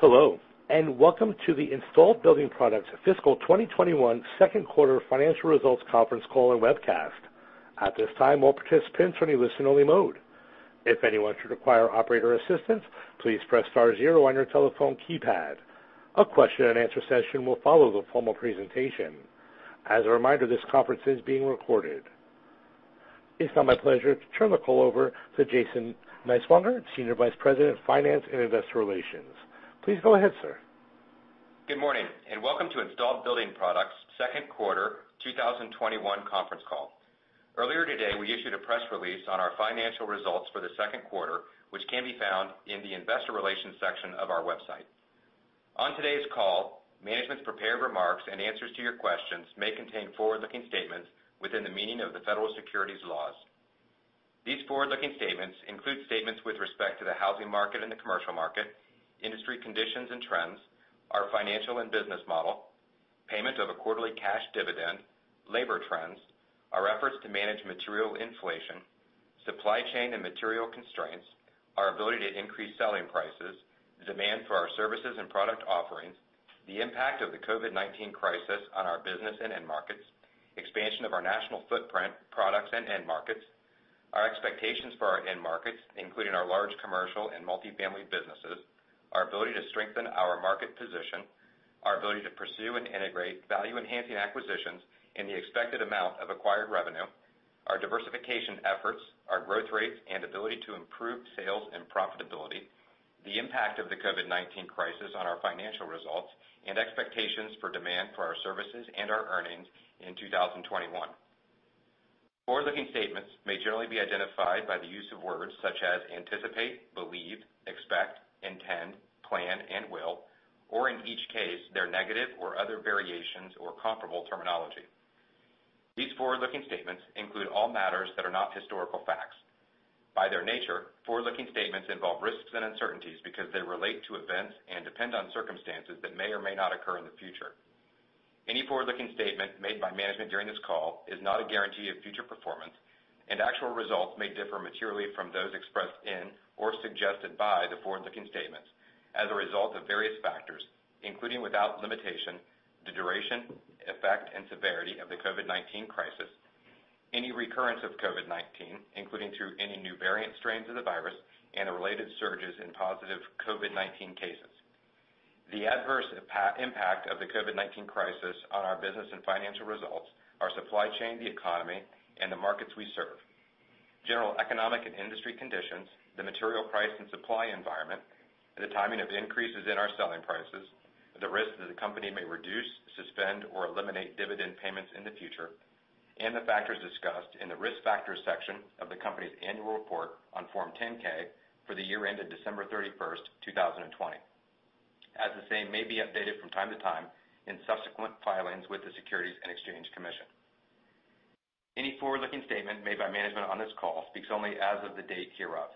Hello, and welcome to the Installed Building Products Fiscal 2021 Second Quarter Financial Results Conference Call and Webcast. At this time, all participants are in a listen-only mode. If anyone should require operator assistance, please press star zero on your telephone keypad. A question-and-answer session will follow the formal presentation. As a reminder, this conference is being recorded. It's now my pleasure to turn the call over to Jason Niswonger, Senior Vice President of Finance and Investor Relations. Please go ahead, sir. Good morning, and welcome to Installed Building Products Second Quarter 2021 Conference Call. Earlier today, we issued a press release on our financial results for the second quarter, which can be found in the Investor Relations section of our website. On today's call, management's prepared remarks and answers to your questions may contain forward-looking statements within the meaning of the federal securities laws. These forward-looking statements include statements with respect to the housing market and the commercial market, industry conditions and trends, our financial and business model, payment of a quarterly cash dividend, labor trends, our efforts to manage material inflation, supply chain and material constraints, our ability to increase selling prices, demand for our services and product offerings, the impact of the COVID-19 crisis on our business and end markets, expansion of our national footprint products and end markets, our expectations for our end markets, including our large commercial and multifamily businesses, our ability to strengthen our market position, our ability to pursue and integrate value-enhancing acquisitions in the expected amount of acquired revenue, our diversification efforts, our growth rates, and ability to improve sales and profitability, the impact of the COVID-19 crisis on our financial results, and expectations for demand for our services and our earnings in 2021. Forward-looking statements may generally be identified by the use of words such as anticipate, believe, expect, intend, plan, and will, or in each case, their negative or other variations or comparable terminology. These forward-looking statements include all matters that are not historical facts. By their nature, forward-looking statements involve risks and uncertainties because they relate to events and depend on circumstances that may or may not occur in the future. Any forward-looking statement made by management during this call is not a guarantee of future performance, and actual results may differ materially from those expressed in or suggested by the forward-looking statements as a result of various factors, including without limitation, the duration, effect, and severity of the COVID-19 crisis, any recurrence of COVID-19, including through any new variant strains of the virus, and the related surges in positive COVID-19 cases. The adverse impact of the COVID-19 crisis on our business and financial results are supply chain, the economy, and the markets we serve, general economic and industry conditions, the material price and supply environment, the timing of increases in our selling prices, the risks that the company may reduce, suspend, or eliminate dividend payments in the future, and the factors discussed in the risk factors section of the company's annual report on Form 10-K for the year ended December 31st, 2020, as the same may be updated from time to time in subsequent filings with the Securities and Exchange Commission. Any forward-looking statement made by management on this call speaks only as of the date hereof.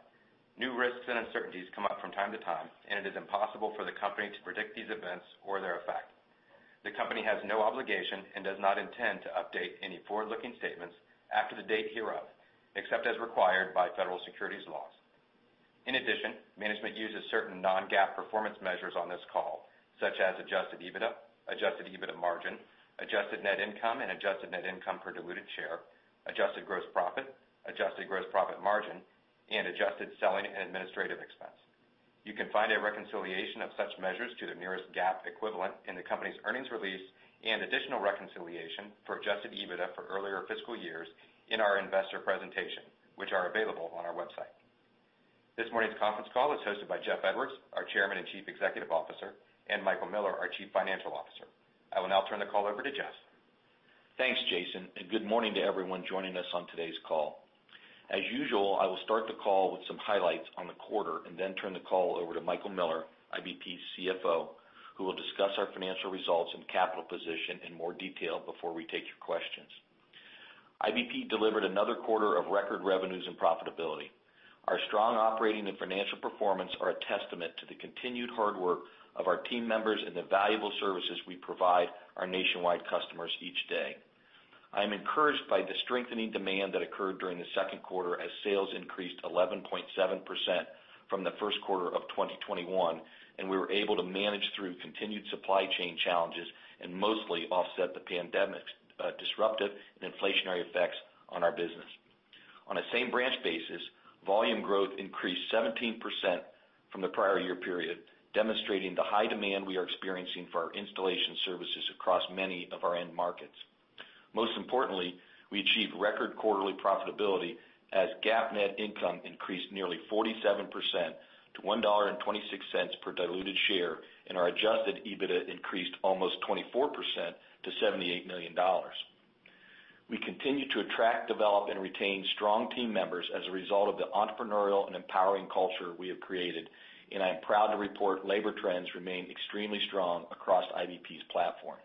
New risks and uncertainties come up from time to time, and it is impossible for the company to predict these events or their effect. The company has no obligation and does not intend to update any forward-looking statements after the date hereof, except as required by federal securities laws. In addition, management uses certain non-GAAP performance measures on this call, such as adjusted EBITDA, adjusted EBITDA margin, adjusted net income and adjusted net income per diluted share, adjusted gross profit, adjusted gross profit margin, and adjusted selling and administrative expense. You can find a reconciliation of such measures to the nearest GAAP equivalent in the company's earnings release and additional reconciliation for adjusted EBITDA for earlier fiscal years in our investor presentation, which are available on our website. This morning's conference call is hosted by Jeff Edwards, our Chairman and Chief Executive Officer, and Michael Miller, our Chief Financial Officer. I will now turn the call over to Jeff. Thanks, Jason, and good morning to everyone joining us on today's call. As usual, I will start the call with some highlights on the quarter and then turn the call over to Michael Miller, IBP's CFO, who will discuss our financial results and capital position in more detail before we take your questions. IBP delivered another quarter of record revenues and profitability. Our strong operating and financial performance are a testament to the continued hard work of our team members and the valuable services we provide our nationwide customers each day. I am encouraged by the strengthening demand that occurred during the second quarter as sales increased 11.7% from the first quarter of 2021, and we were able to manage through continued supply chain challenges and mostly offset the pandemic's disruptive and inflationary effects on our business. On a same-branch basis, volume growth increased 17% from the prior year period, demonstrating the high demand we are experiencing for our installation services across many of our end markets. Most importantly, we achieved record quarterly profitability as GAAP net income increased nearly 47% to $1.26 per diluted share, and our adjusted EBITDA increased almost 24% to $78 million. We continue to attract, develop, and retain strong team members as a result of the entrepreneurial and empowering culture we have created, and I am proud to report labor trends remain extremely strong across IBP's platform.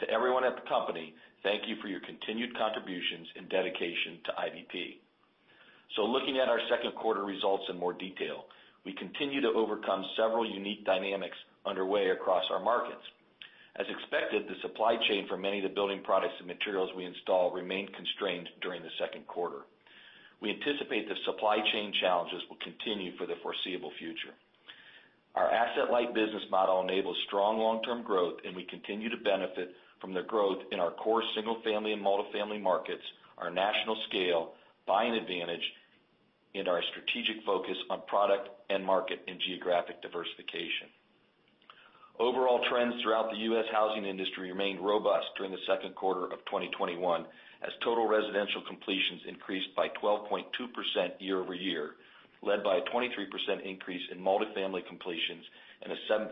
To everyone at the company, thank you for your continued contributions and dedication to IBP. So looking at our second quarter results in more detail, we continue to overcome several unique dynamics underway across our markets. As expected, the supply chain for many of the building products and materials we install remained constrained during the second quarter. We anticipate the supply chain challenges will continue for the foreseeable future. Our asset-light business model enables strong long-term growth, and we continue to benefit from the growth in our core single-family and multifamily markets, our national scale, buying advantage, and our strategic focus on product and market and geographic diversification. Overall trends throughout the U.S. housing industry remained robust during the second quarter of 2021 as total residential completions increased by 12.2% year-over-year, led by a 23% increase in multifamily completions and a 7.6%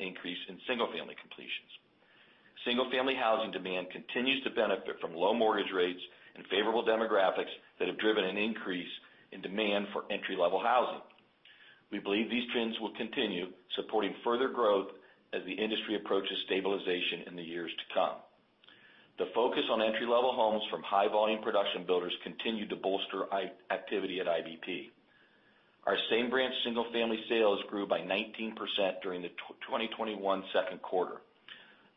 increase in single-family completions. Single-family housing demand continues to benefit from low mortgage rates and favorable demographics that have driven an increase in demand for entry-level housing. We believe these trends will continue, supporting further growth as the industry approaches stabilization in the years to come. The focus on entry-level homes from high-volume production builders continued to bolster activity at IBP. Our same-branch single-family sales grew by 19% during the 2021 second quarter.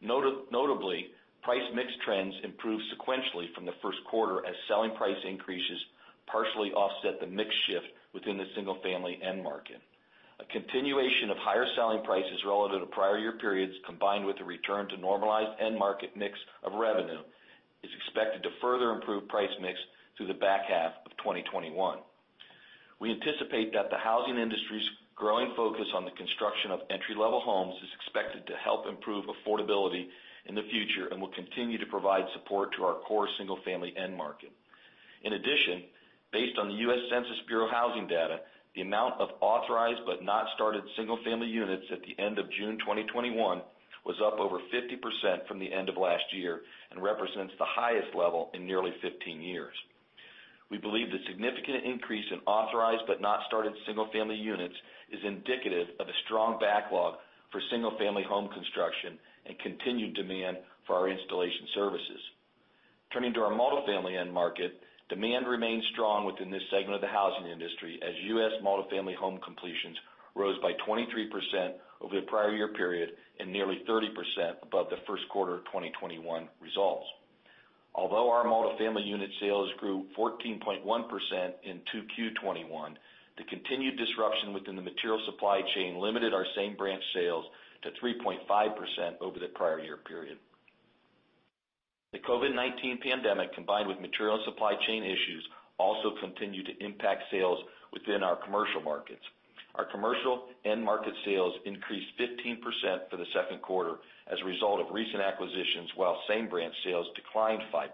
Notably, price-mix trends improved sequentially from the first quarter as selling price increases partially offset the mix shift within the single-family end market. A continuation of higher selling prices relative to prior year periods, combined with a return to normalized end market mix of revenue, is expected to further improve price mix through the back half of 2021. We anticipate that the housing industry's growing focus on the construction of entry-level homes is expected to help improve affordability in the future and will continue to provide support to our core single-family end market. In addition, based on the U.S. Census Bureau housing data, the amount of authorized but not started single-family units at the end of June 2021 was up over 50% from the end of last year and represents the highest level in nearly 15 years. We believe the significant increase in authorized but not started single-family units is indicative of a strong backlog for single-family home construction and continued demand for our installation services. Turning to our multifamily end market, demand remained strong within this segment of the housing industry as U.S. multifamily home completions rose by 23% over the prior year period and nearly 30% above the first quarter 2021 results. Although our multifamily unit sales grew 14.1% in 2Q21, the continued disruption within the material supply chain limited our same-branch sales to 3.5% over the prior year period. The COVID-19 pandemic, combined with material and supply chain issues, also continued to impact sales within our commercial markets. Our commercial end market sales increased 15% for the second quarter as a result of recent acquisitions, while same-branch sales declined 5.3%.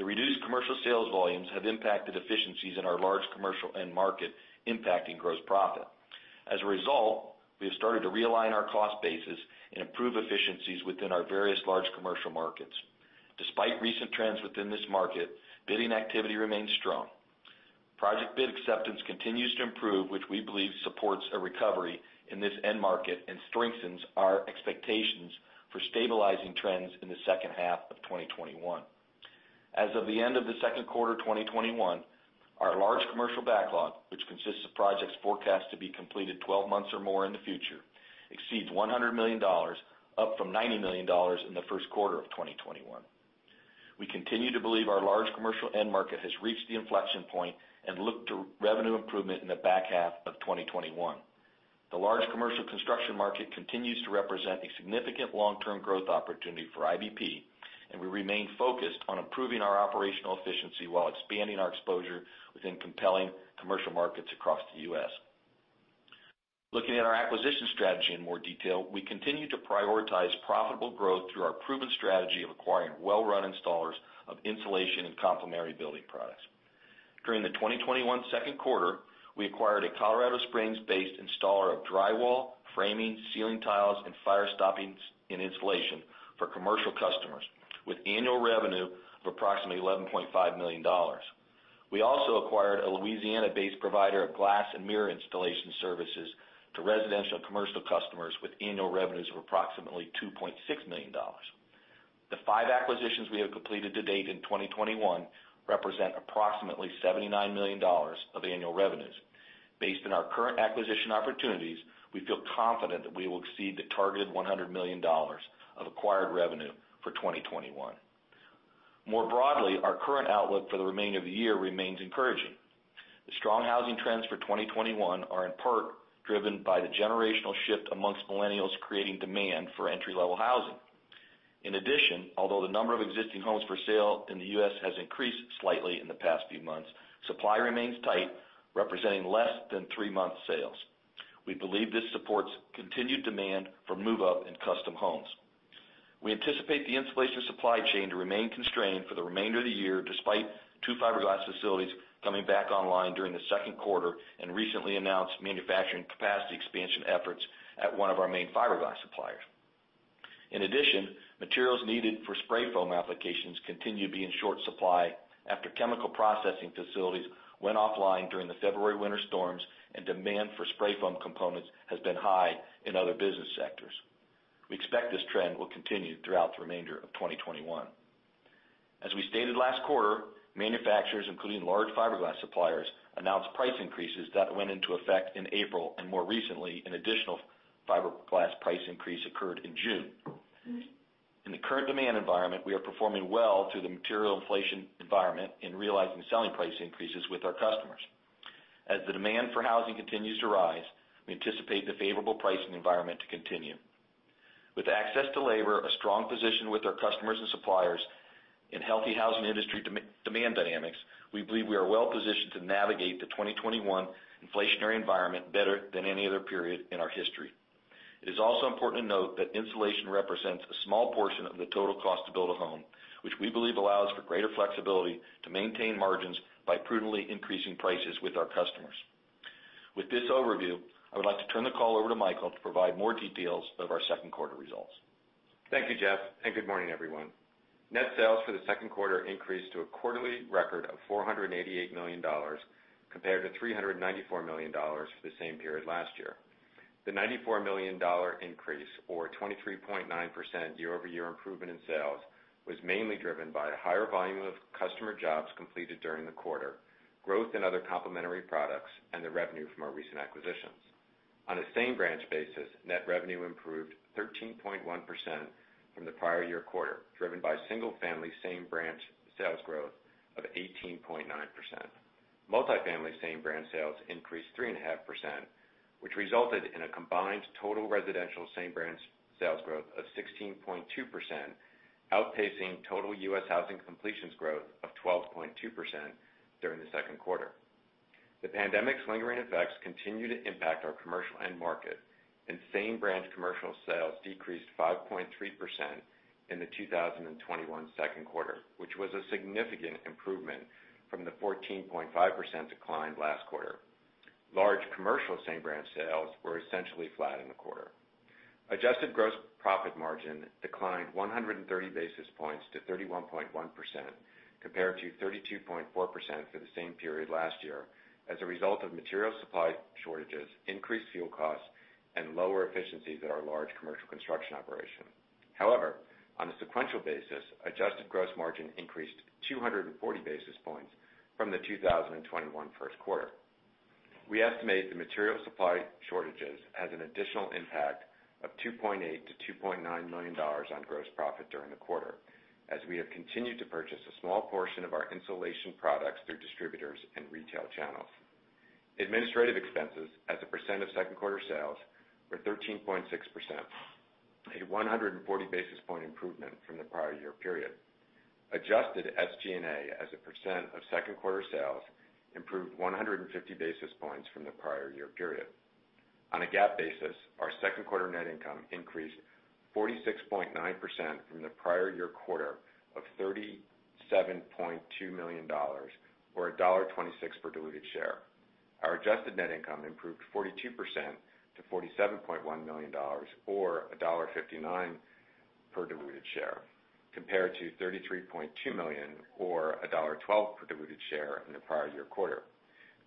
The reduced commercial sales volumes have impacted efficiencies in our large commercial end market, impacting gross profit. As a result, we have started to realign our cost bases and improve efficiencies within our various large commercial markets. Despite recent trends within this market, bidding activity remains strong. Project bid acceptance continues to improve, which we believe supports a recovery in this end market and strengthens our expectations for stabilizing trends in the second half of 2021. As of the end of the second quarter 2021, our large commercial backlog, which consists of projects forecast to be completed 12 months or more in the future, exceeds $100 million, up from $90 million in the first quarter of 2021. We continue to believe our large commercial end market has reached the inflection point and look to revenue improvement in the back half of 2021. The large commercial construction market continues to represent a significant long-term growth opportunity for IBP, and we remain focused on improving our operational efficiency while expanding our exposure within compelling commercial markets across the U.S. Looking at our acquisition strategy in more detail, we continue to prioritize profitable growth through our proven strategy of acquiring well-run installers of insulation and complementary building products. During the 2021 second quarter, we acquired a Colorado Springs-based installer of drywall, framing, ceiling tiles, and firestopping and insulation for commercial customers with annual revenue of approximately $11.5 million. We also acquired a Louisiana-based provider of glass and mirror installation services to residential and commercial customers with annual revenues of approximately $2.6 million. The five acquisitions we have completed to date in 2021 represent approximately $79 million of annual revenues. Based on our current acquisition opportunities, we feel confident that we will exceed the targeted $100 million of acquired revenue for 2021. More broadly, our current outlook for the remainder of the year remains encouraging. The strong housing trends for 2021 are in part driven by the generational shift among millennials creating demand for entry-level housing. In addition, although the number of existing homes for sale in the U.S. has increased slightly in the past few months, supply remains tight, representing less than 3-month sales. We believe this supports continued demand for move-up and custom homes. We anticipate the insulation supply chain to remain constrained for the remainder of the year despite 2 fiberglass facilities coming back online during the second quarter and recently announced manufacturing capacity expansion efforts at one of our main fiberglass suppliers. In addition, materials needed for spray foam applications continue to be in short supply after chemical processing facilities went offline during the February winter storms, and demand for spray foam components has been high in other business sectors. We expect this trend will continue throughout the remainder of 2021. As we stated last quarter, manufacturers, including large fiberglass suppliers, announced price increases that went into effect in April, and more recently, an additional fiberglass price increase occurred in June. In the current demand environment, we are performing well through the material inflation environment in realizing selling price increases with our customers. As the demand for housing continues to rise, we anticipate the favorable pricing environment to continue. With access to labor, a strong position with our customers and suppliers, and healthy housing industry demand dynamics, we believe we are well positioned to navigate the 2021 inflationary environment better than any other period in our history. It is also important to note that insulation represents a small portion of the total cost to build a home, which we believe allows for greater flexibility to maintain margins by prudently increasing prices with our customers. With this overview, I would like to turn the call over to Michael to provide more details of our second quarter results. Thank you, Jeff, and good morning, everyone. Net sales for the second quarter increased to a quarterly record of $488 million compared to $394 million for the same period last year. The $94 million increase, or 23.9% year-over-year improvement in sales, was mainly driven by a higher volume of customer jobs completed during the quarter, growth in other complementary products, and the revenue from our recent acquisitions. On a same-branch basis, net revenue improved 13.1% from the prior year quarter, driven by single-family same-branch sales growth of 18.9%. Multifamily same-branch sales increased 3.5%, which resulted in a combined total residential same-branch sales growth of 16.2%, outpacing total U.S. housing completions growth of 12.2% during the second quarter. The pandemic's lingering effects continue to impact our commercial end market, and same-branch commercial sales decreased 5.3% in the 2021 second quarter, which was a significant improvement from the 14.5% decline last quarter. Large commercial same-branch sales were essentially flat in the quarter. Adjusted gross profit margin declined 130 basis points to 31.1% compared to 32.4% for the same period last year as a result of material supply shortages, increased fuel costs, and lower efficiencies at our large commercial construction operation. However, on a sequential basis, adjusted gross margin increased 240 basis points from the 2021 first quarter. We estimate the material supply shortages as an additional impact of $2.8-$2.9 million on gross profit during the quarter as we have continued to purchase a small portion of our insulation products through distributors and retail channels. Administrative expenses, as a percent of second quarter sales, were 13.6%, a 140 basis point improvement from the prior year period. Adjusted SG&A, as a percent of second quarter sales, improved 150 basis points from the prior year period. On a GAAP basis, our second quarter net income increased 46.9% from the prior year quarter of $37.2 million, or $1.26 per diluted share. Our adjusted net income improved 42% to $47.1 million, or $1.59 per diluted share, compared to $33.2 million or $1.12 per diluted share in the prior year quarter.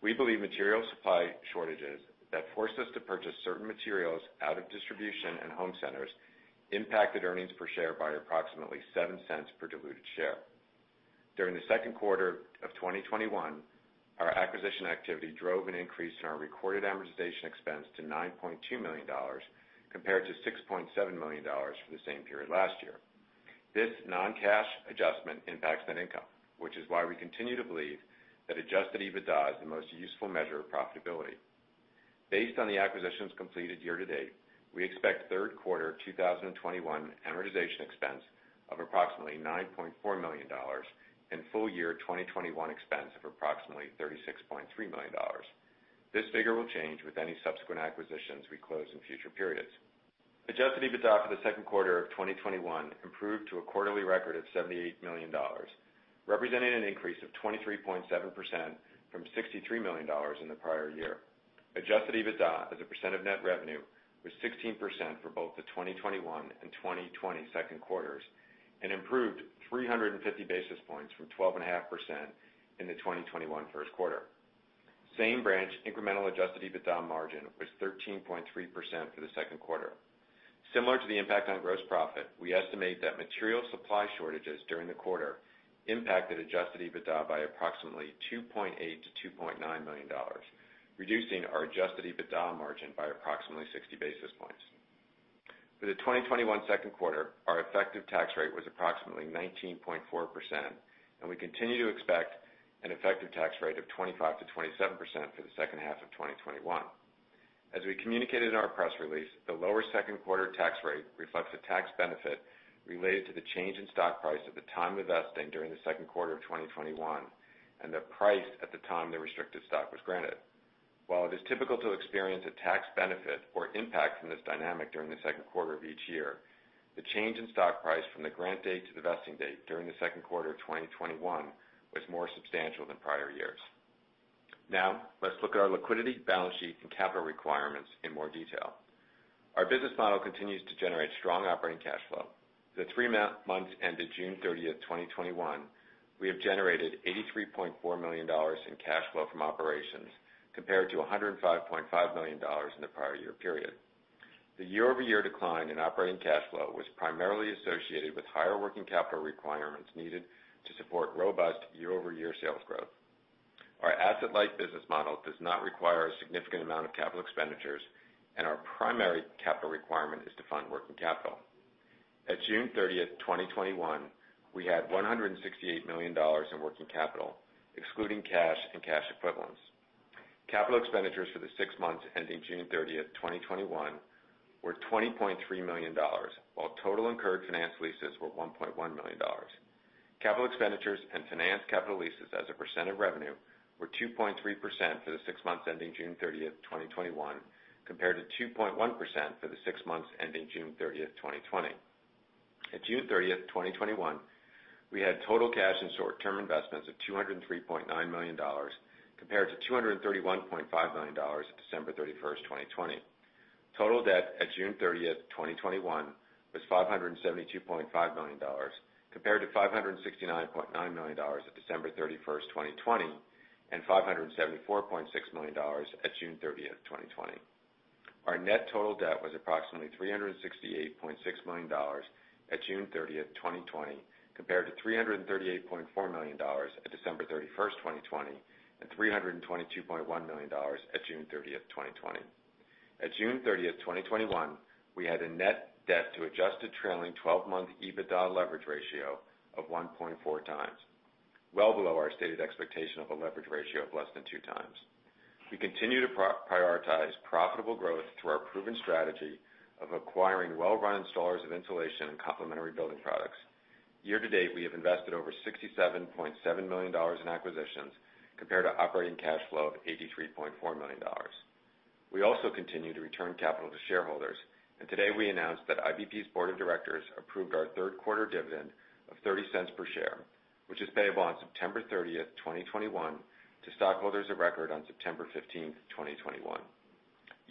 We believe material supply shortages that forced us to purchase certain materials out of distribution and home centers impacted earnings per share by approximately $0.07 per diluted share. During the second quarter of 2021, our acquisition activity drove an increase in our recorded amortization expense to $9.2 million compared to $6.7 million for the same period last year. This non-cash adjustment impacts net income, which is why we continue to believe that adjusted EBITDA is the most useful measure of profitability. Based on the acquisitions completed year to date, we expect third quarter 2021 amortization expense of approximately $9.4 million and full year 2021 expense of approximately $36.3 million. This figure will change with any subsequent acquisitions we close in future periods. Adjusted EBITDA for the second quarter of 2021 improved to a quarterly record of $78 million, representing an increase of 23.7% from $63 million in the prior year. Adjusted EBITDA, as a percent of net revenue, was 16% for both the 2021 and 2020 second quarters and improved 350 basis points from 12.5% in the 2021 first quarter. Same-branch incremental adjusted EBITDA margin was 13.3% for the second quarter. Similar to the impact on gross profit, we estimate that material supply shortages during the quarter impacted adjusted EBITDA by approximately $2.8-$2.9 million, reducing our adjusted EBITDA margin by approximately 60 basis points. For the 2021 second quarter, our effective tax rate was approximately 19.4%, and we continue to expect an effective tax rate of 25%-27% for the second half of 2021. As we communicated in our press release, the lower second quarter tax rate reflects a tax benefit related to the change in stock price at the time of vesting during the second quarter of 2021 and the price at the time the restricted stock was granted. While it is typical to experience a tax benefit or impact from this dynamic during the second quarter of each year, the change in stock price from the grant date to the vesting date during the second quarter of 2021 was more substantial than prior years. Now, let's look at our liquidity, balance sheet, and capital requirements in more detail. Our business model continues to generate strong operating cash flow. For the three months ended June 30th, 2021, we have generated $83.4 million in cash flow from operations compared to $105.5 million in the prior year period. The year-over-year decline in operating cash flow was primarily associated with higher working capital requirements needed to support robust year-over-year sales growth. Our asset-light business model does not require a significant amount of capital expenditures, and our primary capital requirement is to fund working capital. At June 30th, 2021, we had $168 million in working capital, excluding cash and cash equivalents. Capital expenditures for the six months ending June 30th, 2021, were $20.3 million, while total incurred finance leases were $1.1 million. Capital expenditures and finance capital leases, as a percent of revenue, were 2.3% for the six months ending June 30th, 2021, compared to 2.1% for the six months ending June 30th, 2020. At June 30th, 2021, we had total cash and short-term investments of $203.9 million compared to $231.5 million at December 31st, 2020. Total debt at June 30th, 2021, was $572.5 million compared to $569.9 million at December 31st, 2020, and $574.6 million at June 30th, 2020. Our net total debt was approximately $368.6 million at June 30th, 2021, compared to $338.4 million at December 31st, 2020, and $322.1 million at June 30th, 2020. At June 30th, 2021, we had a net debt-to-Adjusted trailing 12-month EBITDA leverage ratio of 1.4 times, well below our stated expectation of a leverage ratio of less than two times. We continue to prioritize profitable growth through our proven strategy of acquiring well-run installers of insulation and complementary building products. Year to date, we have invested over $67.7 million in acquisitions compared to operating cash flow of $83.4 million. We also continue to return capital to shareholders, and today we announced that IBP's board of directors approved our third quarter dividend of $0.30 per share, which is payable on September 30th, 2021, to stockholders of record on September 15th, 2021.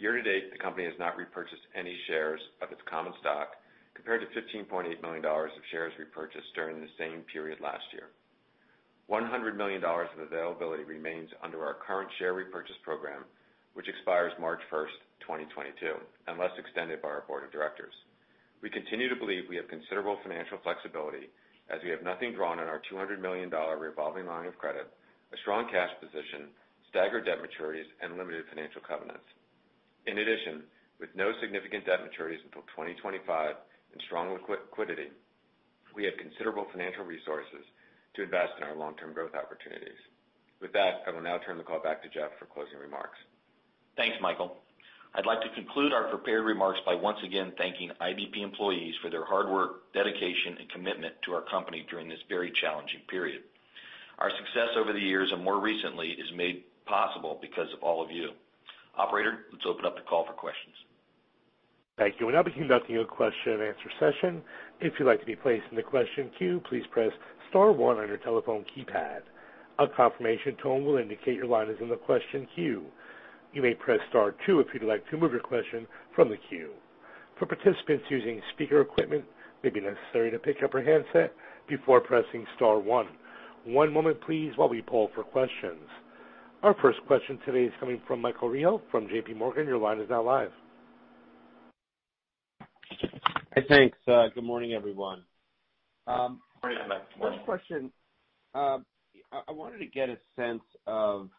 Year to date, the company has not repurchased any shares of its common stock compared to $15.8 million of shares repurchased during the same period last year. $100 million of availability remains under our current share repurchase program, which expires March 1st, 2022, unless extended by our board of directors. We continue to believe we have considerable financial flexibility as we have nothing drawn on our $200 million revolving line of credit, a strong cash position, staggered debt maturities, and limited financial covenants. In addition, with no significant debt maturities until 2025 and strong liquidity, we have considerable financial resources to invest in our long-term growth opportunities. With that, I will now turn the call back to Jeff for closing remarks. Thanks, Michael. I'd like to conclude our prepared remarks by once again thanking IBP employees for their hard work, dedication, and commitment to our company during this very challenging period. Our success over the years, and more recently, is made possible because of all of you. Operator, let's open up the call for questions. Thank you. We're now beginning our Q&A session. If you'd like to be placed in the question queue, please press star one on your telephone keypad. A confirmation tone will indicate your line is in the question queue. You may press star two if you'd like to move your question from the queue. For participants using speaker equipment, it may be necessary to pick up your handset before pressing star one. One moment, please, while we pull for questions. Our first question today is coming from Michael Rehaut from J.P. Morgan. Your line is now live. Hey, thanks. Good morning, everyone. Good morning, Mike. Good morning. First question, I wanted to get a sense of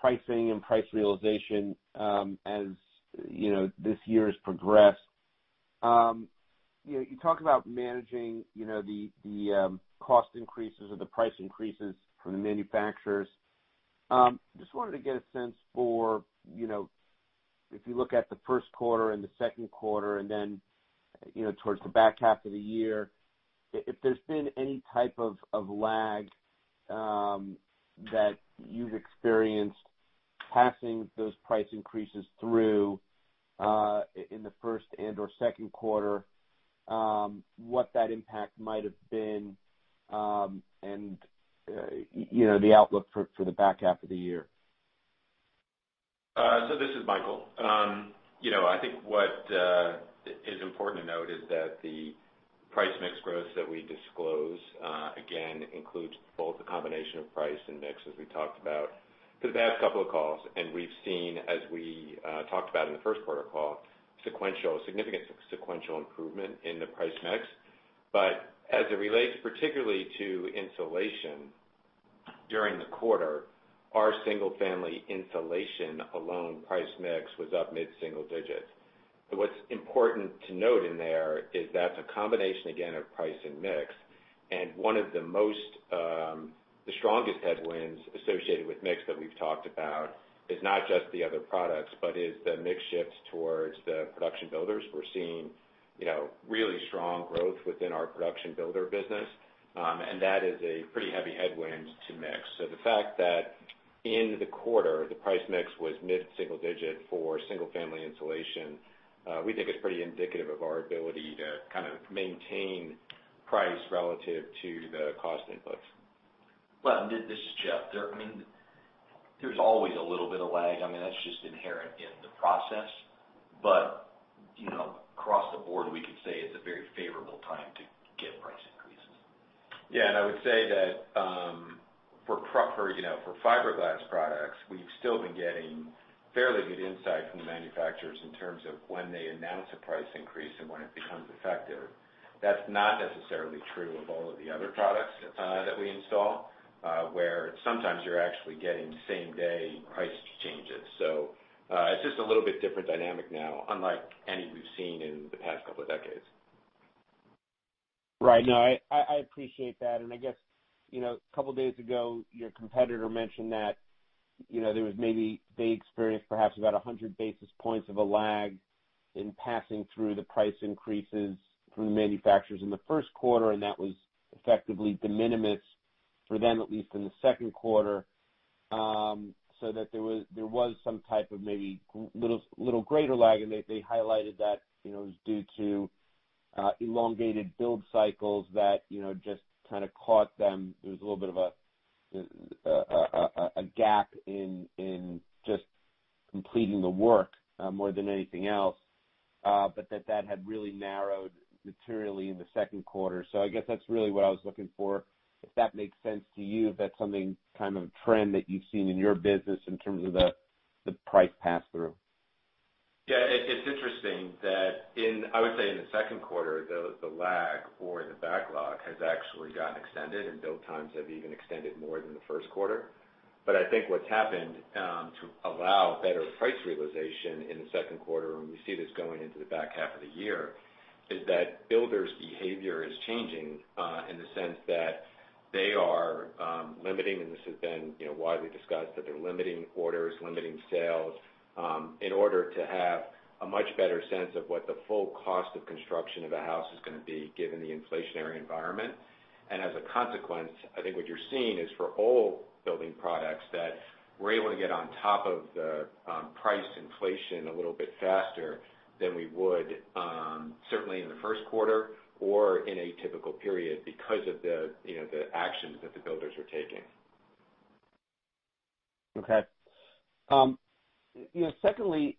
pricing and price realization as this year has progressed. You talk about managing the cost increases or the price increases from the manufacturers. Just wanted to get a sense for if you look at the first quarter and the second quarter and then towards the back half of the year, if there's been any type of lag that you've experienced passing those price increases through in the first and/or second quarter, what that impact might have been and the outlook for the back half of the year. This is Michael. I think what is important to note is that the price mix growth that we disclose, again, includes both a combination of price and mix, as we talked about, for the past couple of calls. We've seen, as we talked about in the first quarter call, significant sequential improvement in the price mix. As it relates particularly to insulation during the quarter, our single-family insulation alone price mix was up mid-single digits. What's important to note in there is that's a combination, again, of price and mix. One of the strongest headwinds associated with mix that we've talked about is not just the other products but is the mix shift towards the production builders. We're seeing really strong growth within our production builder business, and that is a pretty heavy headwind to mix. The fact that in the quarter, the price-mix was mid-single-digit for single-family insulation, we think is pretty indicative of our ability to kind of maintain price relative to the cost inputs. Well, and this is Jeff. I mean, there's always a little bit of lag. I mean, that's just inherent in the process. But across the board, we could say it's a very favorable time to get price increases. Yeah. And I would say that for fiberglass products, we've still been getting fairly good insight from the manufacturers in terms of when they announce a price increase and when it becomes effective. That's not necessarily true of all of the other products that we install, where sometimes you're actually getting same-day price changes. So it's just a little bit different dynamic now, unlike any we've seen in the past couple of decades. Right. No, I appreciate that. I guess a couple of days ago, your competitor mentioned that there was maybe they experienced perhaps about 100 basis points of a lag in passing through the price increases from the manufacturers in the first quarter, and that was effectively de minimis for them, at least in the second quarter. That there was some type of maybe little greater lag, and they highlighted that it was due to elongated build cycles that just kind of caught them. There was a little bit of a gap in just completing the work more than anything else, but that had really narrowed materially in the second quarter. I guess that's really what I was looking for, if that makes sense to you, if that's something kind of a trend that you've seen in your business in terms of the price pass-through. Yeah. It's interesting that, I would say, in the second quarter, the lag or the backlog has actually gotten extended, and build times have even extended more than the first quarter. But I think what's happened to allow better price realization in the second quarter, and we see this going into the back half of the year, is that builders' behavior is changing in the sense that they are limiting - and this has been widely discussed - that they're limiting orders, limiting sales in order to have a much better sense of what the full cost of construction of a house is going to be given the inflationary environment. As a consequence, I think what you're seeing is for all building products that we're able to get on top of the price inflation a little bit faster than we would, certainly in the first quarter or in a typical period because of the actions that the builders are taking. Okay. Secondly,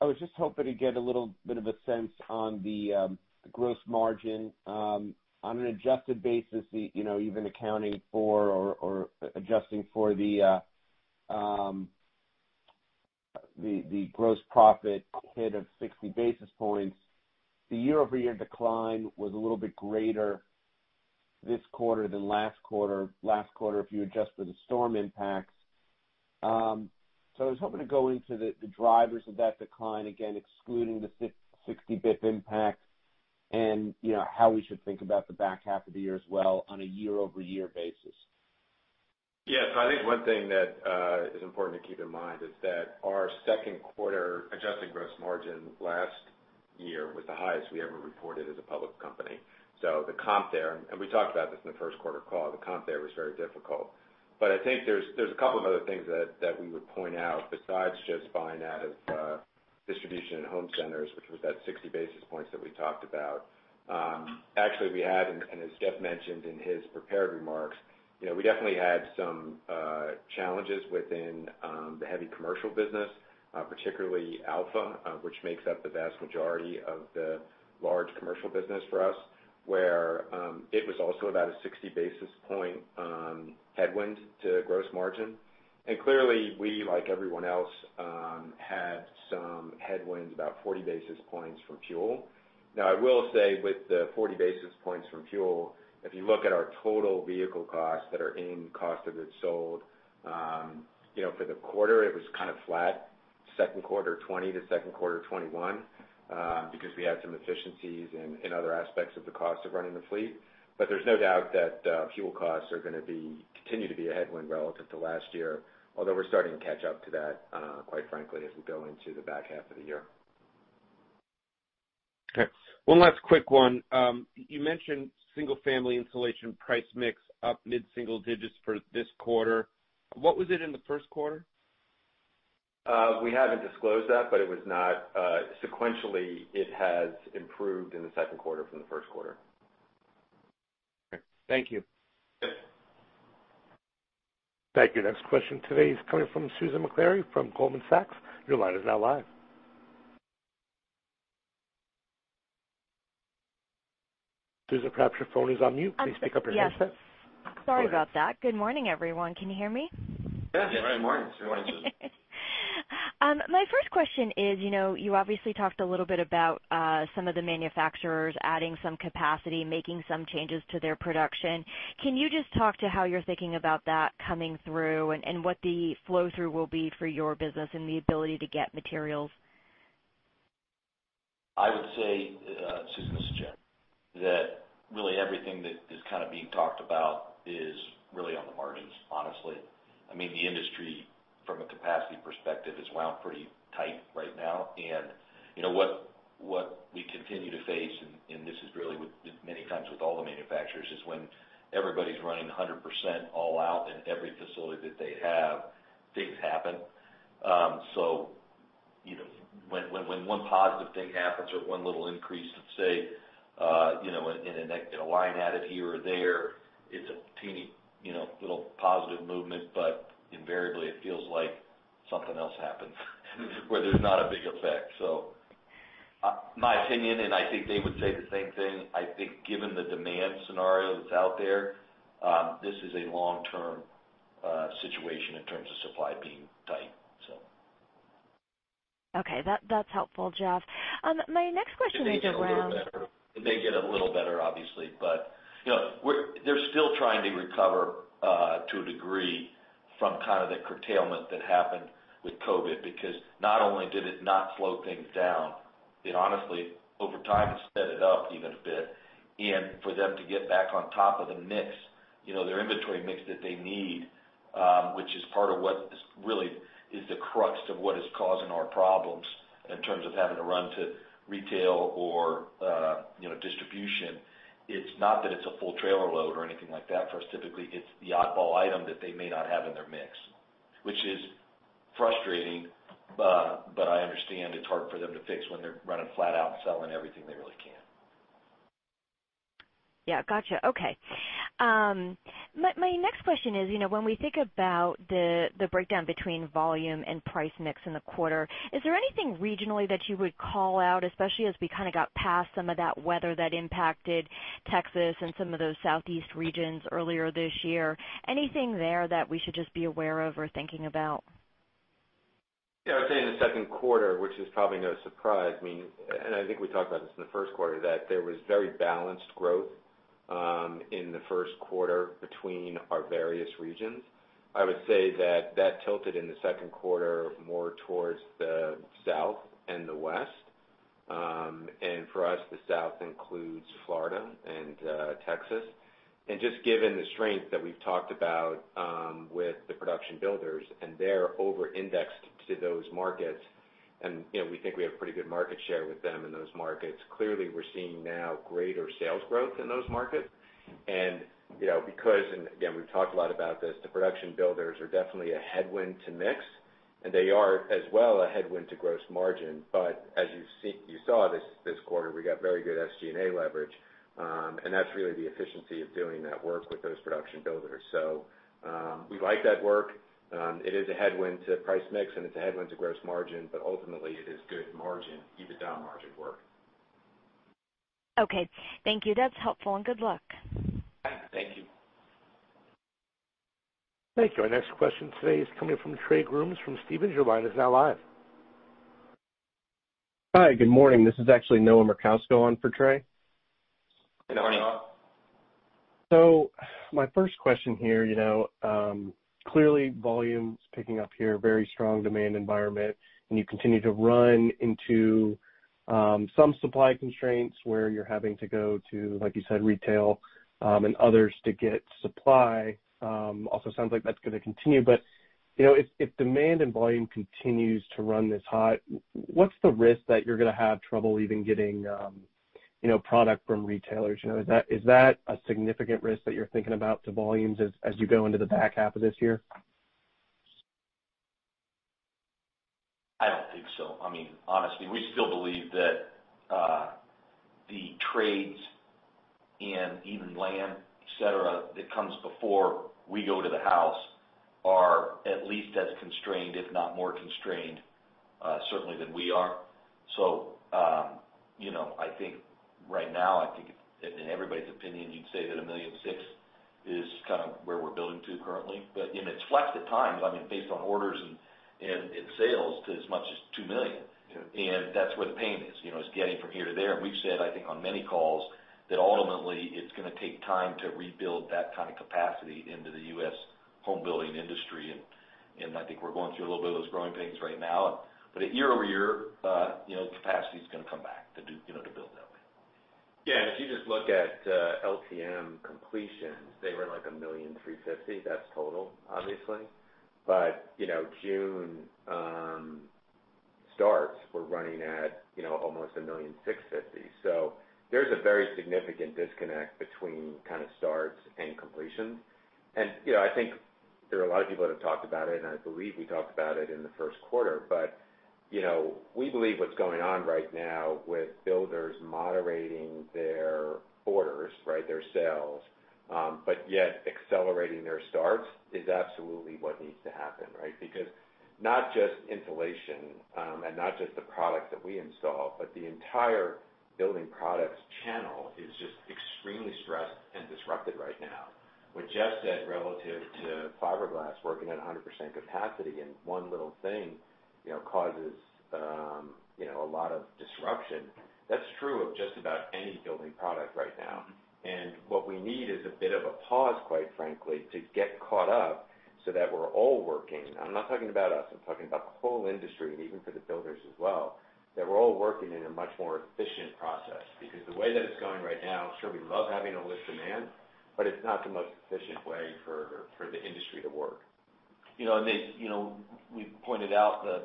I was just hoping to get a little bit of a sense on the gross margin. On an adjusted basis, even accounting for or adjusting for the gross profit hit of 60 basis points, the year-over-year decline was a little bit greater this quarter than last quarter, last quarter if you adjust for the storm impacts. So I was hoping to go into the drivers of that decline, again, excluding the 60 basis points impact and how we should think about the back half of the year as well on a year-over-year basis. Yeah. So I think one thing that is important to keep in mind is that our second quarter adjusted gross margin last year was the highest we ever reported as a public company. So the comp there, and we talked about this in the first quarter call, the comp there was very difficult. But I think there's a couple of other things that we would point out besides just buying out of distribution and home centers, which was that 60 basis points that we talked about. Actually, we had, and as Jeff mentioned in his prepared remarks, we definitely had some challenges within the heavy commercial business, particularly Alpha, which makes up the vast majority of the large commercial business for us, where it was also about a 60 basis point headwind to gross margin. Clearly, we, like everyone else, had some headwinds, about 40 basis points, from fuel. Now, I will say with the 40 basis points from fuel, if you look at our total vehicle costs that are in cost of goods sold, for the quarter, it was kind of flat, second quarter 2020 to second quarter 2021, because we had some efficiencies in other aspects of the cost of running the fleet. There's no doubt that fuel costs are going to continue to be a headwind relative to last year, although we're starting to catch up to that, quite frankly, as we go into the back half of the year. Okay. One last quick one. You mentioned single-family insulation price mix up mid-single digits for this quarter. What was it in the first quarter? We haven't disclosed that, but it was not sequentially, it has improved in the second quarter from the first quarter. Okay. Thank you. Yep. Thank you. Next question today is coming from Susan Maklari from Goldman Sachs. Your line is now live. Susan, perhaps your phone is on mute. Please pick up your handset. Yes. Sorry about that. Good morning, everyone. Can you hear me? Yeah. Good morning. Good morning, Susan. My first question is, you obviously talked a little bit about some of the manufacturers adding some capacity, making some changes to their production. Can you just talk to how you're thinking about that coming through and what the flow-through will be for your business and the ability to get materials? I would say, Susan, this is Jeff, that really everything that is kind of being talked about is really on the margins, honestly. I mean, the industry, from a capacity perspective, has wound pretty tight right now. What we continue to face - and this is really many times with all the manufacturers - is when everybody's running 100% all out in every facility that they have, things happen. So when one positive thing happens or one little increase, let's say, in a line added here or there, it's a teeny little positive movement, but invariably, it feels like something else happens where there's not a big effect. So my opinion, and I think they would say the same thing, I think given the demand scenario that's out there, this is a long-term situation in terms of supply being tight, so. Okay. That's helpful, Jeff. My next question is around. They get a little better. They get a little better, obviously. But they're still trying to recover to a degree from kind of that curtailment that happened with COVID because not only did it not slow things down, it honestly, over time, sped it up even a bit. And for them to get back on top of the mix, their inventory mix that they need, which is part of what really is the crux of what is causing our problems in terms of having to run to retail or distribution, it's not that it's a full trailer load or anything like that for us, typically. It's the oddball item that they may not have in their mix, which is frustrating, but I understand it's hard for them to fix when they're running flat out and selling everything they really can. Yeah. Gotcha. Okay. My next question is, when we think about the breakdown between volume and price mix in the quarter, is there anything regionally that you would call out, especially as we kind of got past some of that weather that impacted Texas and some of those southeast regions earlier this year? Anything there that we should just be aware of or thinking about? Yeah. I would say in the second quarter, which is probably no surprise, I mean, and I think we talked about this in the first quarter, that there was very balanced growth in the first quarter between our various regions. I would say that that tilted in the second quarter more towards the South and the West. And for us, the South includes Florida and Texas. And just given the strength that we've talked about with the production builders, and they're over-indexed to those markets, and we think we have pretty good market share with them in those markets, clearly, we're seeing now greater sales growth in those markets. And because, and again, we've talked a lot about this, the production builders are definitely a headwind to mix, and they are as well a headwind to gross margin. As you saw this quarter, we got very good SG&A leverage, and that's really the efficiency of doing that work with those production builders. We like that work. It is a headwind to price-mix, and it's a headwind to gross margin, but ultimately, it is good margin, even down-margin work. Okay. Thank you. That's helpful, and good luck. All right. Thank you. Thank you. Our next question today is coming from Trey Grooms from Stephens. Your line is now live. Hi. Good morning. This is actually Noah Merkousko on for Trey. Good morning. So my first question here, clearly, volume's picking up here, very strong demand environment, and you continue to run into some supply constraints where you're having to go to, like you said, retail and others to get supply. Also, it sounds like that's going to continue. But if demand and volume continues to run this hot, what's the risk that you're going to have trouble even getting product from retailers? Is that a significant risk that you're thinking about to volumes as you go into the back half of this year? I don't think so. I mean, honestly, we still believe that the trades and even land, etc., that comes before we go to the house are at least as constrained, if not more constrained, certainly, than we are. So I think right now, I think in everybody's opinion, you'd say that 1.6 million is kind of where we're building to currently. But it's flex at times, I mean, based on orders and sales to as much as 2 million. And that's where the pain is, is getting from here to there. And we've said, I think, on many calls that ultimately, it's going to take time to rebuild that kind of capacity into the U.S. home-building industry. And I think we're going through a little bit of those growing pains right now. But year-over-year, capacity's going to come back to build that way. Yeah. And if you just look at LTM completions, they were like 1,350,000. That's total, obviously. But June starts, we're running at almost 1,650,000. So there's a very significant disconnect between kind of starts and completions. And I think there are a lot of people that have talked about it, and I believe we talked about it in the first quarter. But we believe what's going on right now with builders moderating their orders, right, their sales, but yet accelerating their starts is absolutely what needs to happen, right? Because not just insulation and not just the products that we install, but the entire building products channel is just extremely stressed and disrupted right now. What Jeff said relative to fiberglass working at 100% capacity and one little thing causes a lot of disruption, that's true of just about any building product right now. What we need is a bit of a pause, quite frankly, to get caught up so that we're all working - I'm not talking about us, I'm talking about the whole industry and even for the builders as well - that we're all working in a much more efficient process. Because the way that it's going right now, sure, we love having a lift demand, but it's not the most efficient way for the industry to work. And we pointed out the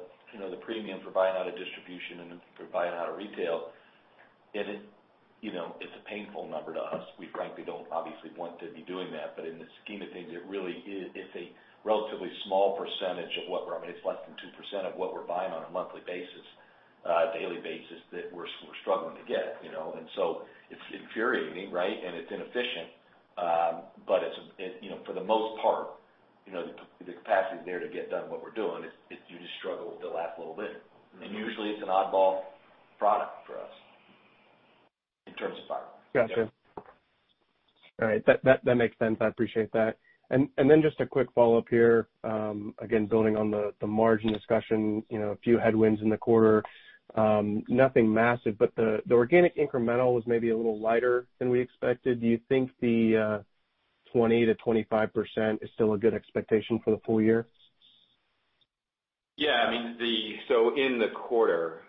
premium for buying out of distribution and for buying out of retail. And it's a painful number to us. We, frankly, don't obviously want to be doing that. But in the scheme of things, it really is a relatively small percentage of what we're—I mean, it's less than 2% of what we're buying on a monthly basis, daily basis, that we're struggling to get. And so it's infuriating, right? And it's inefficient. But for the most part, the capacity's there to get done what we're doing. You just struggle the last little bit. And usually, it's an oddball product for us in terms of fiberglass. Gotcha. All right. That makes sense. I appreciate that. And then just a quick follow-up here, again, building on the margin discussion, a few headwinds in the quarter, nothing massive, but the organic incremental was maybe a little lighter than we expected. Do you think the 20%-25% is still a good expectation for the full year? Yeah. I mean, so in the quarter,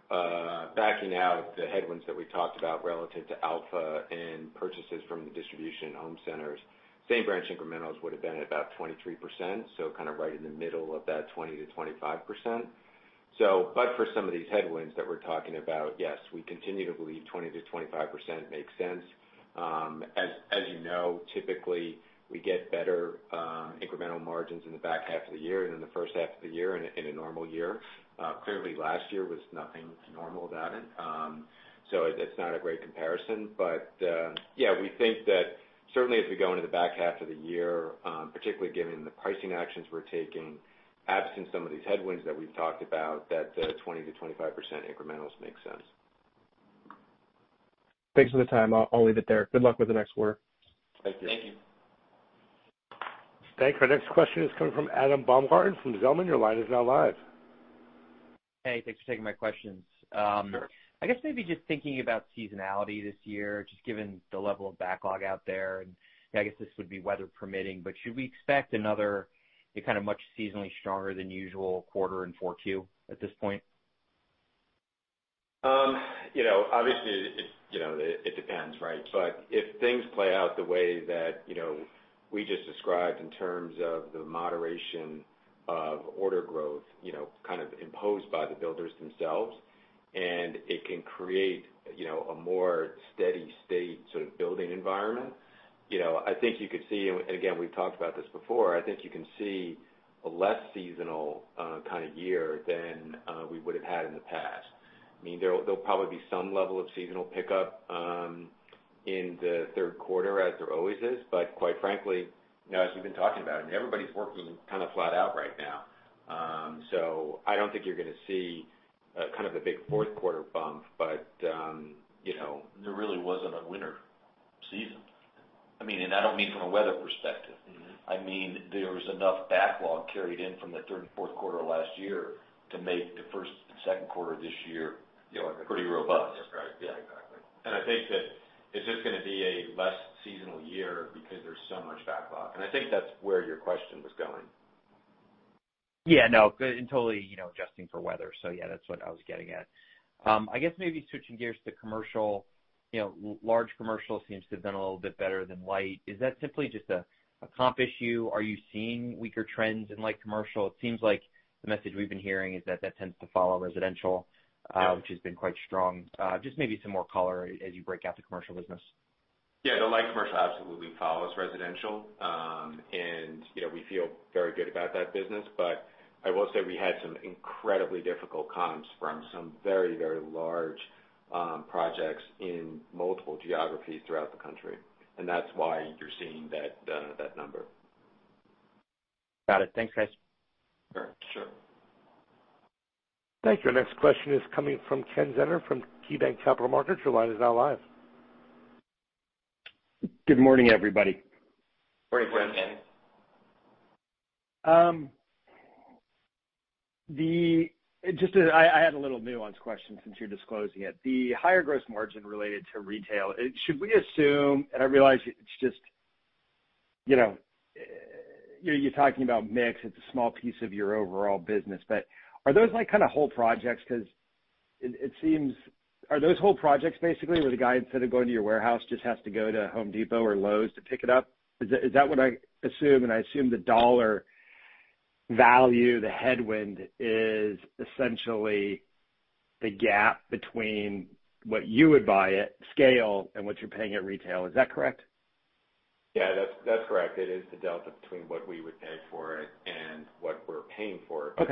backing out the headwinds that we talked about relative to Alpha and purchases from the distribution and home centers, same branch incrementals would have been at about 23%, so kind of right in the middle of that 20%-25%. But for some of these headwinds that we're talking about, yes, we continue to believe 20%-25% makes sense. As you know, typically, we get better incremental margins in the back half of the year than the first half of the year in a normal year. Clearly, last year was nothing normal about it. So it's not a great comparison. But yeah, we think that certainly, as we go into the back half of the year, particularly given the pricing actions we're taking, absent some of these headwinds that we've talked about, that the 20%-25% incrementals make sense. Thanks for the time. I'll leave it there. Good luck with the next quarter. Thank you. Thank you. Thanks. Our next question is coming from Adam Baumgarten from Zelman. Your line is now live. Hey. Thanks for taking my questions. I guess maybe just thinking about seasonality this year, just given the level of backlog out there, and I guess this would be weather-permitting, but should we expect another kind of much seasonally stronger than usual quarter and fourth Q at this point? Obviously, it depends, right? But if things play out the way that we just described in terms of the moderation of order growth kind of imposed by the builders themselves, and it can create a more steady-state sort of building environment, I think you could see, and again, we've talked about this before, I think you can see a less seasonal kind of year than we would have had in the past. I mean, there'll probably be some level of seasonal pickup in the third quarter as there always is. But quite frankly, as we've been talking about, I mean, everybody's working kind of flat out right now. So I don't think you're going to see kind of the big fourth-quarter bump, but. There really wasn't a winter season. I mean, and I don't mean from a weather perspective. I mean, there was enough backlog carried in from the third and fourth quarter last year to make the first and second quarter this year pretty robust. Yeah. That's right. Yeah. Exactly. And I think that it's just going to be a less seasonal year because there's so much backlog. And I think that's where your question was going. Yeah. No. And, totally adjusting for weather. So yeah, that's what I was getting at. I guess, maybe switching gears to commercial, large commercial seems to have done a little bit better than light. Is that simply just a comp issue? Are you seeing weaker trends in light commercial? It seems like the message we've been hearing is that that tends to follow residential, which has been quite strong. Just maybe some more color as you break out the commercial business. Yeah. The light commercial absolutely follows residential, and we feel very good about that business. But I will say we had some incredibly difficult comps from some very, very large projects in multiple geographies throughout the country. That's why you're seeing that number. Got it. Thanks, guys. Sure. Thanks. Our next question is coming from Ken Zener from KeyBanc Capital Markets. Your line is now live. Good morning, everybody. Morning, Ken. I had a little nuanced question since you're disclosing it. The higher gross margin related to retail, should we assume and I realize it's just you're talking about mix. It's a small piece of your overall business. But are those kind of whole projects? Because it seems are those whole projects, basically, where the guy instead of going to your warehouse just has to go to Home Depot or Lowe's to pick it up? Is that what I assume? And I assume the dollar value, the headwind, is essentially the gap between what you would buy at scale and what you're paying at retail. Is that correct? Yeah. That's correct. It is the delta between what we would pay for it and what we're paying for it. But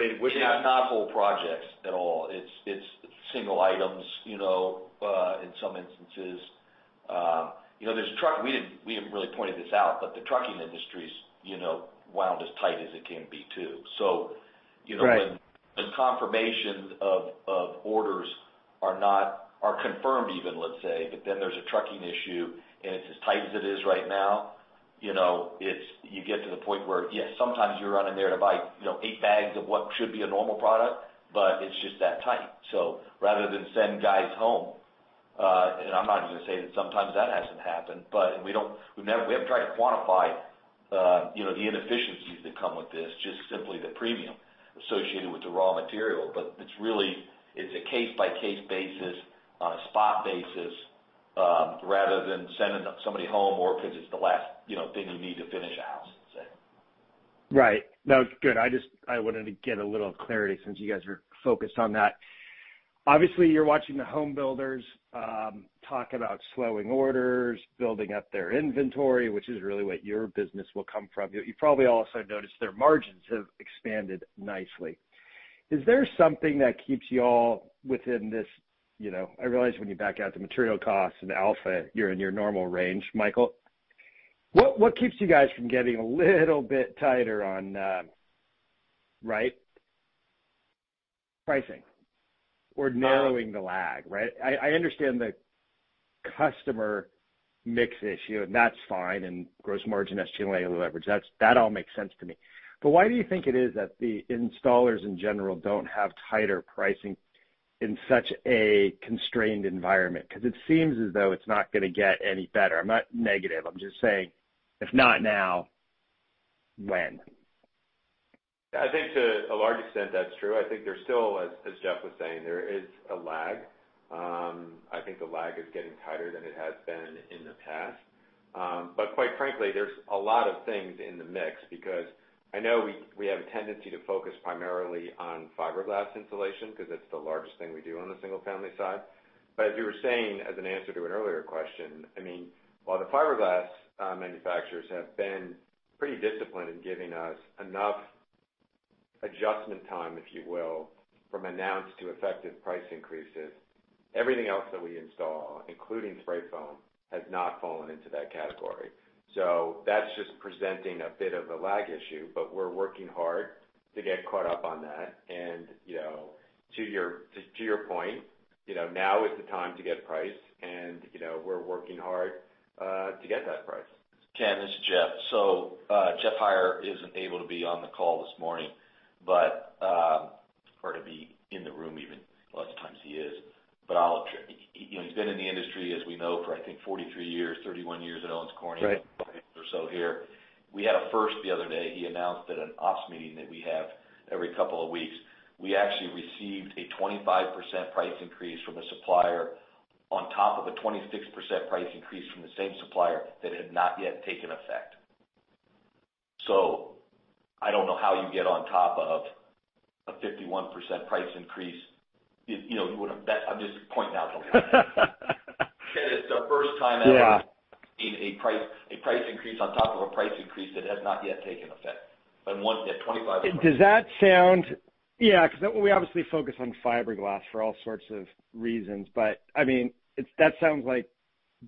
it would not. Yeah. Not whole projects at all. It's single items in some instances. There's trucking. We haven't really pointed this out, but the trucking industry's wound as tight as it can be too. So when confirmations of orders are confirmed even, let's say, but then there's a trucking issue, and it's as tight as it is right now, you get to the point where, yes, sometimes you're running there to buy 8 bags of what should be a normal product, but it's just that tight. So rather than send guys home and I'm not even going to say that sometimes that hasn't happened, but we haven't tried to quantify the inefficiencies that come with this, just simply the premium associated with the raw material. But it's a case-by-case basis, on a spot basis, rather than sending somebody home because it's the last thing you need to finish a house, let's say. Right. No. Good. I wanted to get a little clarity since you guys are focused on that. Obviously, you're watching the home builders talk about slowing orders, building up their inventory, which is really what your business will come from. You probably also noticed their margins have expanded nicely. Is there something that keeps y'all within this? I realize when you back out to material costs and Alpha, you're in your normal range, Michael. What keeps you guys from getting a little bit tighter on, right, pricing or narrowing the lag, right? I understand the customer mix issue, and that's fine, and gross margin SG&A leverage. That all makes sense to me. But why do you think it is that the installers, in general, don't have tighter pricing in such a constrained environment? Because it seems as though it's not going to get any better. I'm not negative. I'm just saying, if not now, when? Yeah. I think to a large extent, that's true. I think there's still, as Jeff was saying, there is a lag. I think the lag is getting tighter than it has been in the past. But quite frankly, there's a lot of things in the mix. Because I know we have a tendency to focus primarily on fiberglass insulation because it's the largest thing we do on the single-family side. But as you were saying, as an answer to an earlier question, I mean, while the fiberglass manufacturers have been pretty disciplined in giving us enough adjustment time, if you will, from announced to effective price increases, everything else that we install, including spray foam, has not fallen into that category. So that's just presenting a bit of a lag issue, but we're working hard to get caught up on that. To your point, now is the time to get price, and we're working hard to get that price. Ken, this is Jeff. So Jeff Hire isn't able to be on the call this morning or to be in the room even. A lot of times, he is. But he's been in the industry, as we know, for, I think, 43 years, 31 years at Owens Corning, or so here. We had a first the other day. He announced at an ops meeting that we have every couple of weeks, we actually received a 25% price increase from a supplier on top of a 26% price increase from the same supplier that had not yet taken effect. So I don't know how you get on top of a 51% price increase. I'm just pointing out the. Ken, it's the first time ever we've seen a price increase on top of a price increase that has not yet taken effect. And at 25%. Does that sound, yeah? Because we obviously focus on fiberglass for all sorts of reasons. But I mean, that sounds like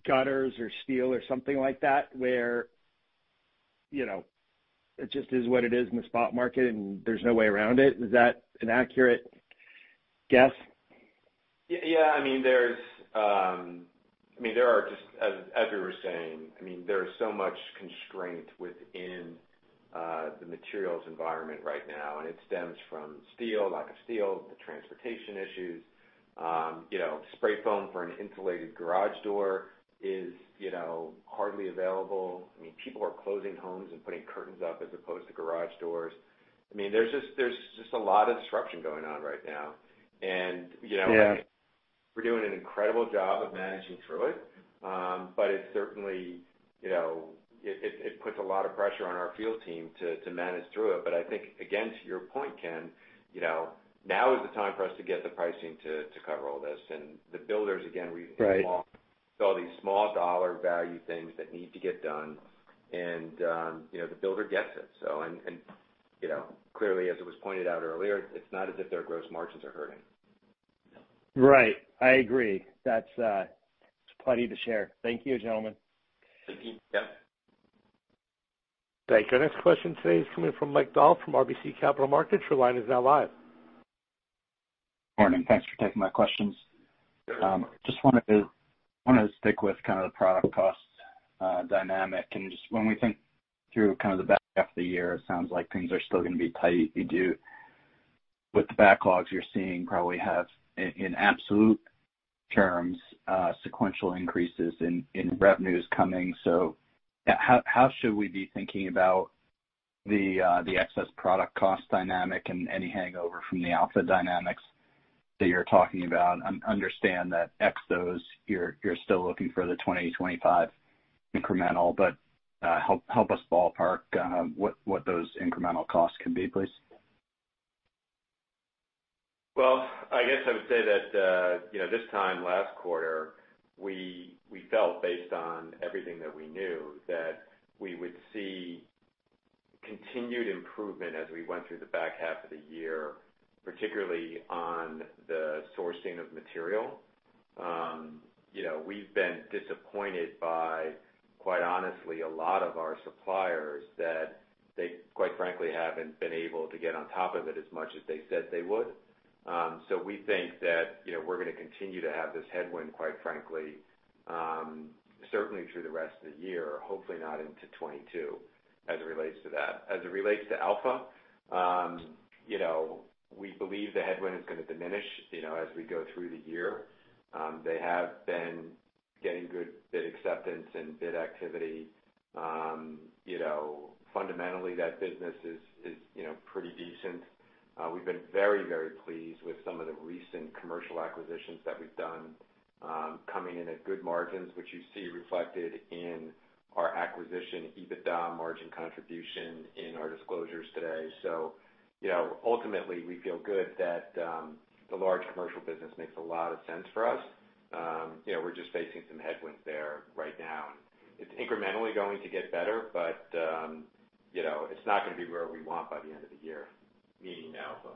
gutters or steel or something like that where it just is what it is in the spot market, and there's no way around it. Is that an accurate guess? Yeah. I mean, there are just as we were saying, I mean, there is so much constraint within the materials environment right now, and it stems from lack of steel, the transportation issues. Spray foam for an insulated garage door is hardly available. I mean, people are closing homes and putting curtains up as opposed to garage doors. I mean, there's just a lot of disruption going on right now. And we're doing an incredible job of managing through it, but it certainly puts a lot of pressure on our field team to manage through it. But I think, again, to your point, Ken, now is the time for us to get the pricing to cover all this. And the builders, again, we've all seen all these small-dollar value things that need to get done, and the builder gets it. Clearly, as it was pointed out earlier, it's not as if their gross margins are hurting. Right. I agree. That's plenty to share. Thank you, gentlemen. Thank you. Yeah. Thanks. Our next question today is coming from Mike Dahl from RBC Capital Markets. Your line is now live. Morning. Thanks for taking my questions. I just wanted to stick with kind of the product cost dynamic. And just when we think through kind of the back half of the year, it sounds like things are still going to be tight. With the backlogs you're seeing, probably have in absolute terms sequential increases in revenues coming. So how should we be thinking about the excess product cost dynamic and any hangover from the Alpha dynamics that you're talking about? I understand that ex those, you're still looking for the 20, 25 incremental. But help us ballpark what those incremental costs could be, please. Well, I guess I would say that this time, last quarter, we felt, based on everything that we knew, that we would see continued improvement as we went through the back half of the year, particularly on the sourcing of material. We've been disappointed by, quite honestly, a lot of our suppliers that they, quite frankly, haven't been able to get on top of it as much as they said they would. So we think that we're going to continue to have this headwind, quite frankly, certainly through the rest of the year, hopefully not into 2022, as it relates to that. As it relates to Alpha, we believe the headwind is going to diminish as we go through the year. They have been getting good bid acceptance and bid activity. Fundamentally, that business is pretty decent. We've been very, very pleased with some of the recent commercial acquisitions that we've done, coming in at good margins, which you see reflected in our acquisition EBITDA margin contribution in our disclosures today. So ultimately, we feel good that the large commercial business makes a lot of sense for us. We're just facing some headwinds there right now. It's incrementally going to get better, but it's not going to be where we want by the end of the year. Meeting now, so.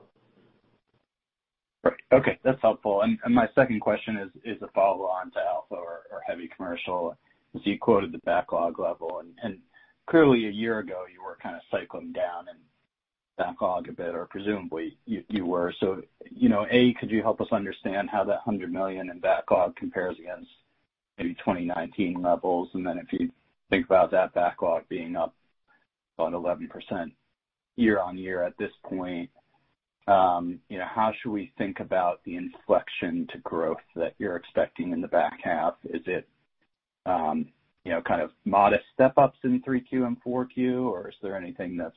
Right. Okay. That's helpful. My second question is a follow-on to Alpha or heavy commercial. So you quoted the backlog level. And clearly, a year ago, you were kind of cycling down in backlog a bit, or presumably, you were. So A, could you help us understand how that $100 million in backlog compares against maybe 2019 levels? And then if you think about that backlog being up about 11% year-over-year at this point, how should we think about the inflection to growth that you're expecting in the back half? Is it kind of modest step-ups in 3Q and 4Q, or is there anything that's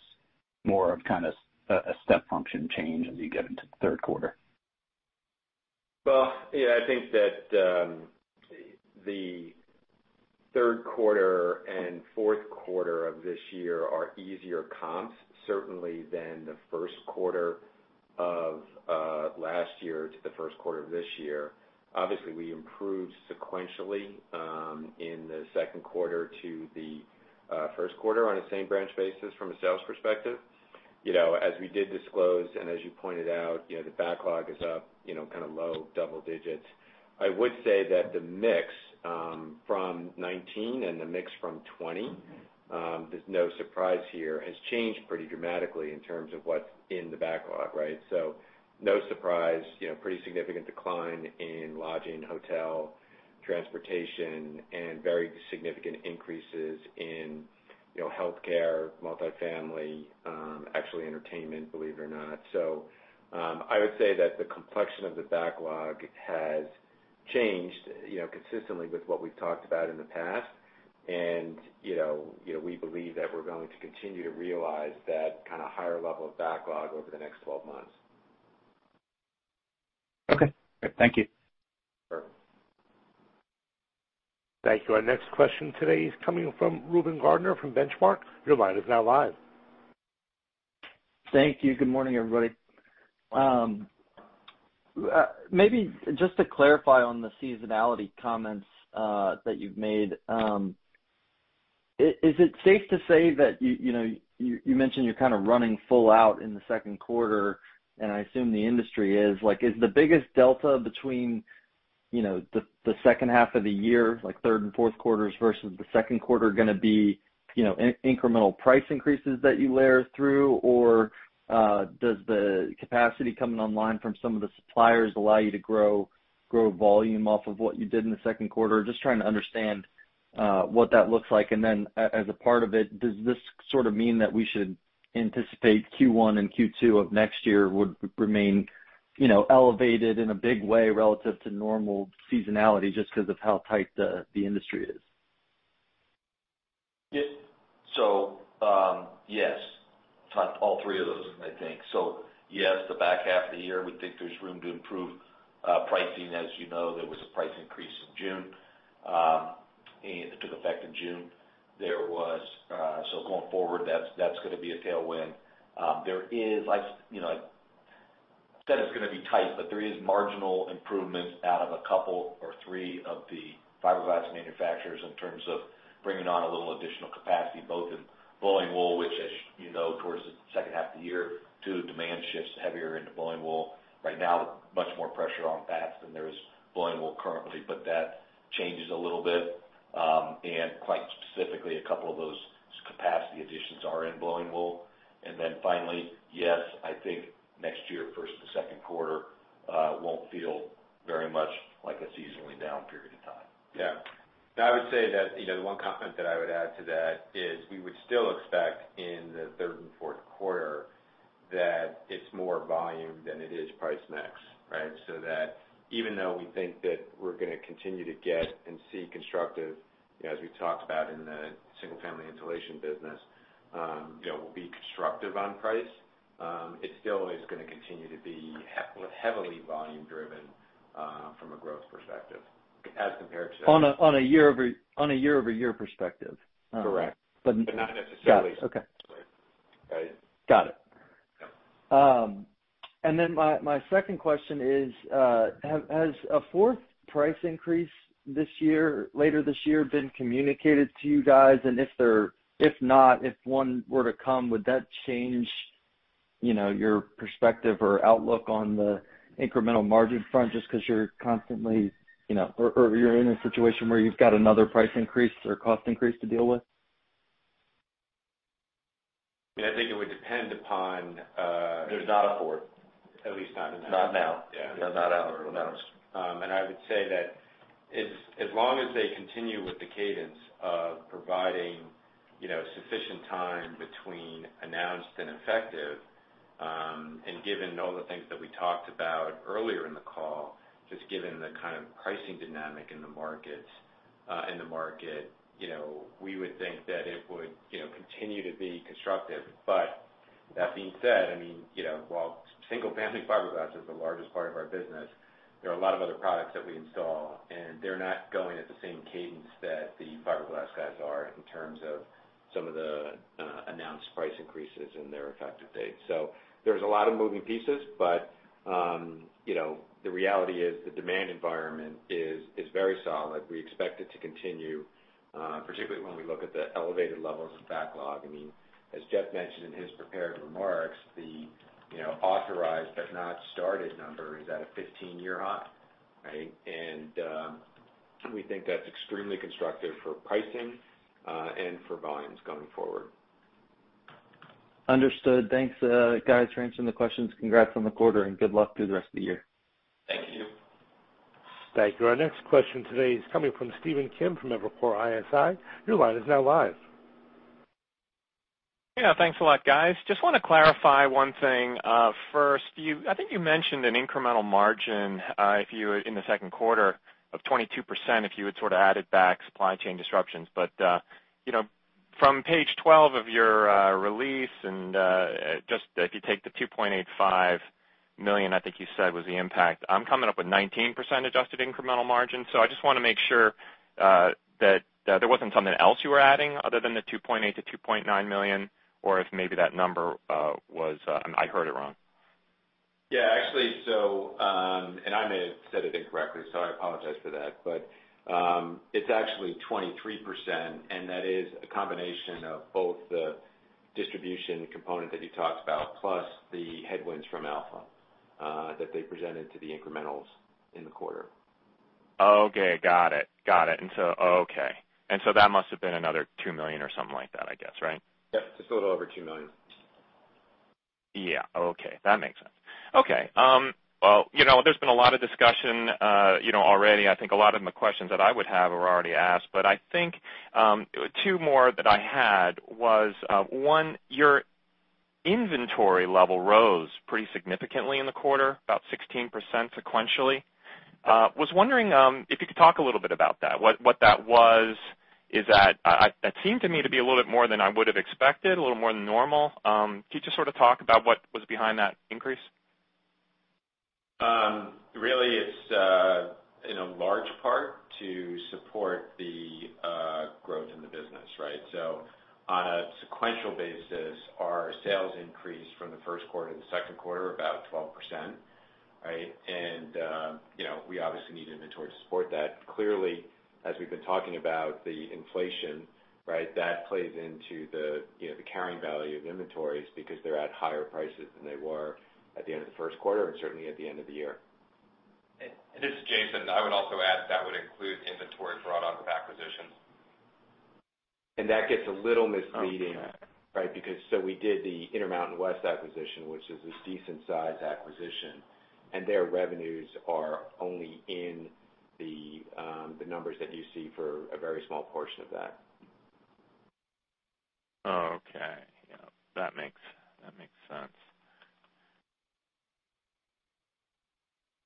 more of kind of a step function change as you get into the third quarter? Well, yeah. I think that the third quarter and fourth quarter of this year are easier comps, certainly, than the first quarter of last year to the first quarter of this year. Obviously, we improved sequentially in the second quarter to the first quarter on a same branch basis from a sales perspective. As we did disclose, and as you pointed out, the backlog is up kind of low double digits. I would say that the mix from 2019 and the mix from 2020, there's no surprise here, has changed pretty dramatically in terms of what's in the backlog, right? So no surprise, pretty significant decline in lodging, hotel, transportation, and very significant increases in healthcare, multifamily, actually entertainment, believe it or not. So I would say that the complexion of the backlog has changed consistently with what we've talked about in the past. We believe that we're going to continue to realize that kind of higher level of backlog over the next 12 months. Okay. Great. Thank you. Perfect. Thank you. Our next question today is coming from Reuben Garner from Benchmark. Your line is now live. Thank you. Good morning, everybody. Maybe just to clarify on the seasonality comments that you've made, is it safe to say that you mentioned you're kind of running full out in the second quarter, and I assume the industry is. Is the biggest delta between the second half of the year, third and fourth quarters, versus the second quarter going to be incremental price increases that you layer through, or does the capacity coming online from some of the suppliers allow you to grow volume off of what you did in the second quarter? Just trying to understand what that looks like. And then as a part of it, does this sort of mean that we should anticipate Q1 and Q2 of next year would remain elevated in a big way relative to normal seasonality just because of how tight the industry is? So yes, all three of those, I think. So yes, the back half of the year, we think there's room to improve pricing. As you know, there was a price increase in June. It took effect in June. So going forward, that's going to be a tailwind. There is, I said, it's going to be tight, but there is marginal improvement out of a couple or 3 of the fiberglass manufacturers in terms of bringing on a little additional capacity, both in blowing wool, which, as you know, towards the second half of the year, too, demand shifts heavier into blowing wool. Right now, much more pressure on that than there is blowing wool currently, but that changes a little bit. And quite specifically, a couple of those capacity additions are in blowing wool. And then finally, yes, I think next year, first and second quarter, won't feel very much like a seasonally down period of time. Yeah. I would say that the one comment that I would add to that is we would still expect in the third and fourth quarter that it's more volume than it is price-mix, right? So that even though we think that we're going to continue to get and see constructive, as we talked about in the single-family insulation business, we'll be constructive on price, it still is going to continue to be heavily volume-driven from a growth perspective as compared to. On a year-over-year perspective. Correct. But not necessarily. Got it. Then my second question is, has a fourth price increase later this year been communicated to you guys? And if not, if one were to come, would that change your perspective or outlook on the incremental margin front just because you're constantly or you're in a situation where you've got another price increase or cost increase to deal with? I think it would depend upon. There's not a fourth, at least not in the house. Not now. Not out. I would say that as long as they continue with the cadence of providing sufficient time between announced and effective, and given all the things that we talked about earlier in the call, just given the kind of pricing dynamic in the market, we would think that it would continue to be constructive. But that being said, I mean, while single-family fiberglass is the largest part of our business, there are a lot of other products that we install, and they're not going at the same cadence that the fiberglass guys are in terms of some of the announced price increases and their effective dates. So there's a lot of moving pieces, but the reality is the demand environment is very solid. We expect it to continue, particularly when we look at the elevated levels of backlog. I mean, as Jeff mentioned in his prepared remarks, the authorized but not started number is at a 15-year high, right? And we think that's extremely constructive for pricing and for volumes going forward. Understood. Thanks, guys, for answering the questions. Congrats on the quarter, and good luck through the rest of the year. Thank you. Thank you. Our next question today is coming from Stephen Kim from Evercore ISI. Your line is now live. Yeah. Thanks a lot, guys. Just want to clarify one thing first. I think you mentioned an incremental margin in the second quarter of 22% if you had sort of added back supply chain disruptions. But from page 12 of your release, and just if you take the $2.85 million, I think you said was the impact, I'm coming up with 19% adjusted incremental margin. So I just want to make sure that there wasn't something else you were adding other than the $2.8-$2.9 million, or if maybe that number was, I heard it wrong. Yeah. Actually, so and I may have said it incorrectly, so I apologize for that. But it's actually 23%, and that is a combination of both the distribution component that you talked about plus the headwinds from Alpha that they presented to the incrementals in the quarter. Okay. Got it. Got it. And so okay. And so that must have been another $2 million or something like that, I guess, right? Yep. Just a little over $2 million. Yeah. Okay. That makes sense. Okay. Well, there's been a lot of discussion already. I think a lot of the questions that I would have were already asked. But I think two more that I had was, one, your inventory level rose pretty significantly in the quarter, about 16% sequentially. Was wondering if you could talk a little bit about that, what that was. That seemed to me to be a little bit more than I would have expected, a little more than normal. Can you just sort of talk about what was behind that increase? Really, it's in a large part to support the growth in the business, right? So on a sequential basis, our sales increased from the first quarter to the second quarter about 12%, right? And we obviously need inventory to support that. Clearly, as we've been talking about, the inflation, right, that plays into the carrying value of inventories because they're at higher prices than they were at the end of the first quarter and certainly at the end of the year. And this is Jason. I would also add that would include inventory brought on with acquisitions. And that gets a little misleading, right? So we did the Intermountain West acquisition, which is a decent-sized acquisition, and their revenues are only in the numbers that you see for a very small portion of that. Okay. Yeah. That makes sense.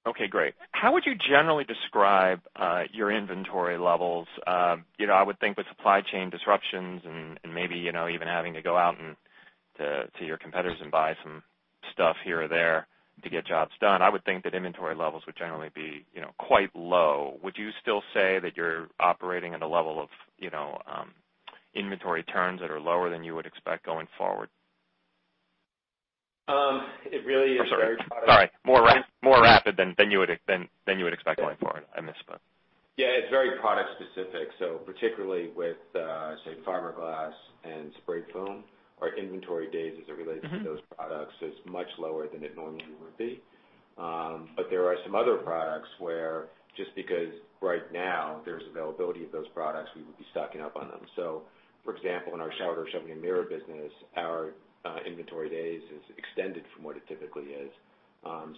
Okay. Great. How would you generally describe your inventory levels? I would think with supply chain disruptions and maybe even having to go out to your competitors and buy some stuff here or there to get jobs done, I would think that inventory levels would generally be quite low. Would you still say that you're operating at a level of inventory turns that are lower than you would expect going forward? It really is very product. Sorry. More rapid than you would expect going forward. I missed what? Yeah. It's very product-specific. So particularly with, say, fiberglass and spray foam or inventory days as it relates to those products, it's much lower than it normally would be. But there are some other products where just because right now there's availability of those products, we would be stocking up on them. So for example, in our shower and glass mirror business, our inventory days is extended from what it typically is.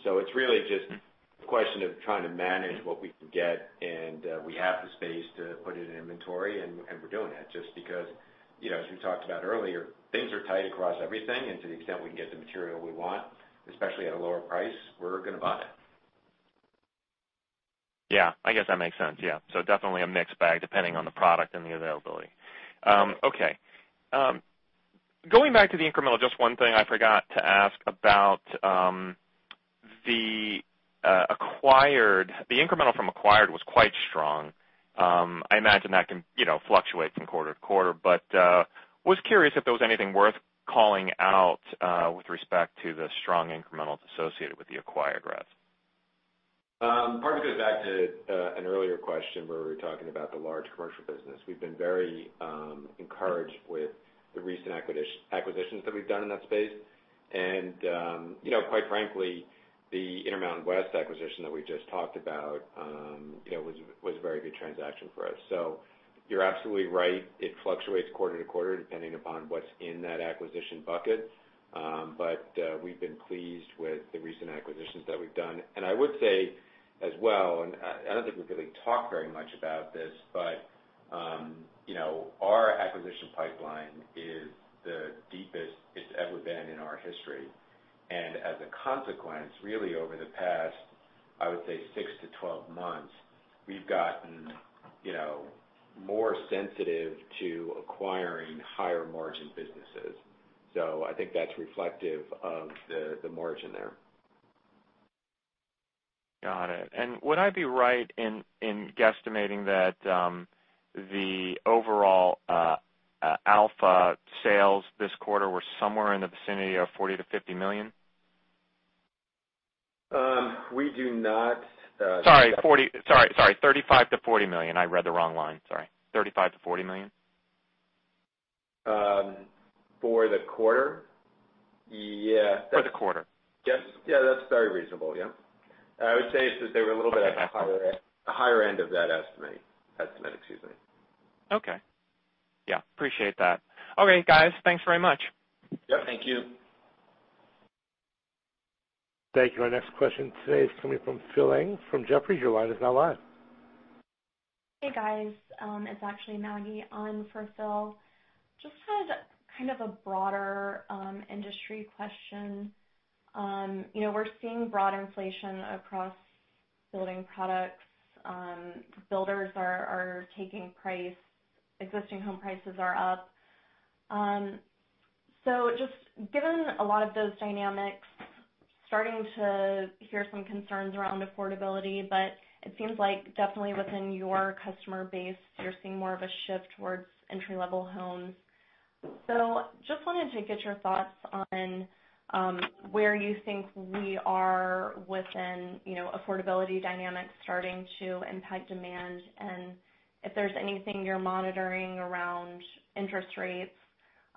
So it's really just a question of trying to manage what we can get, and we have the space to put it in inventory, and we're doing it just because, as we talked about earlier, things are tight across everything, and to the extent we can get the material we want, especially at a lower price, we're going to buy it. Yeah. I guess that makes sense. Yeah. So definitely a mixed bag depending on the product and the availability. Okay. Going back to the incremental, just one thing I forgot to ask about the incremental from acquired was quite strong. I imagine that can fluctuate from quarter to quarter, but was curious if there was anything worth calling out with respect to the strong incrementals associated with the acquired reps? Part of it goes back to an earlier question where we were talking about the large commercial business. We've been very encouraged with the recent acquisitions that we've done in that space. And quite frankly, the Intermountain West acquisition that we just talked about was a very good transaction for us. So you're absolutely right. It fluctuates quarter to quarter depending upon what's in that acquisition bucket, but we've been pleased with the recent acquisitions that we've done. And I would say as well, and I don't think we've really talked very much about this, but our acquisition pipeline is the deepest it's ever been in our history. And as a consequence, really over the past, I would say, six to 12 months, we've gotten more sensitive to acquiring higher-margin businesses. So I think that's reflective of the margin there. Got it. Would I be right in guesstimating that the overall Alpha sales this quarter were somewhere in the vicinity of $40 million-$50 million? We do not. Sorry. Sorry. Sorry. $35 million-$40 million. I read the wrong line. Sorry. $35 million-$40 million? For the quarter? Yeah. For the quarter. Yeah. That's very reasonable. Yeah. I would say it's that they were a little bit at the higher end of that estimate. Excuse me. Okay. Yeah. Appreciate that. Okay, guys. Thanks very much. Yep. Thank you. Thank you. Our next question today is coming from Philip Ng from Jefferies. Your line is now live. Hey, guys. It's actually Maggie on for Phil. Just had kind of a broader industry question. We're seeing broad inflation across building products. Builders are taking price. Existing home prices are up. So just given a lot of those dynamics, starting to hear some concerns around affordability, but it seems like definitely within your customer base, you're seeing more of a shift towards entry-level homes. So just wanted to get your thoughts on where you think we are within affordability dynamics starting to impact demand, and if there's anything you're monitoring around interest rates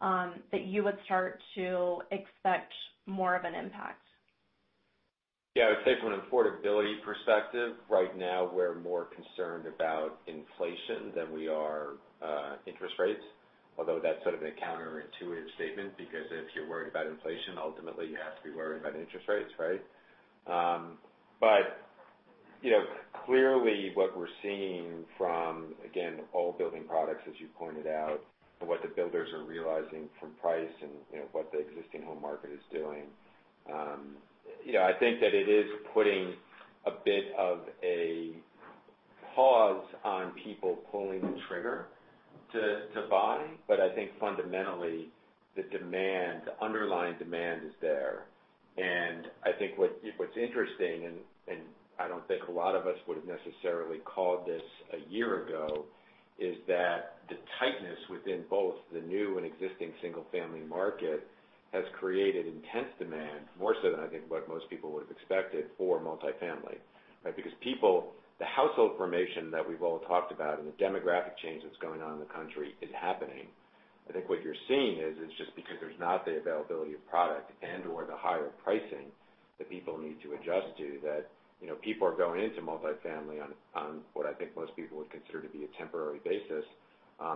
that you would start to expect more of an impact. Yeah. I would say from an affordability perspective, right now, we're more concerned about inflation than we are interest rates, although that's sort of a counterintuitive statement because if you're worried about inflation, ultimately, you have to be worried about interest rates, right? But clearly, what we're seeing from, again, all building products, as you pointed out, and what the builders are realizing from price and what the existing home market is doing, I think that it is putting a bit of a pause on people pulling the trigger to buy. But I think fundamentally, the underlying demand is there. I think what's interesting, and I don't think a lot of us would have necessarily called this a year ago, is that the tightness within both the new and existing single-family market has created intense demand, more so than I think what most people would have expected for multifamily, right? Because the household formation that we've all talked about and the demographic change that's going on in the country is happening. I think what you're seeing is just because there's not the availability of product and/or the higher pricing that people need to adjust to, that people are going into multifamily on what I think most people would consider to be a temporary basis,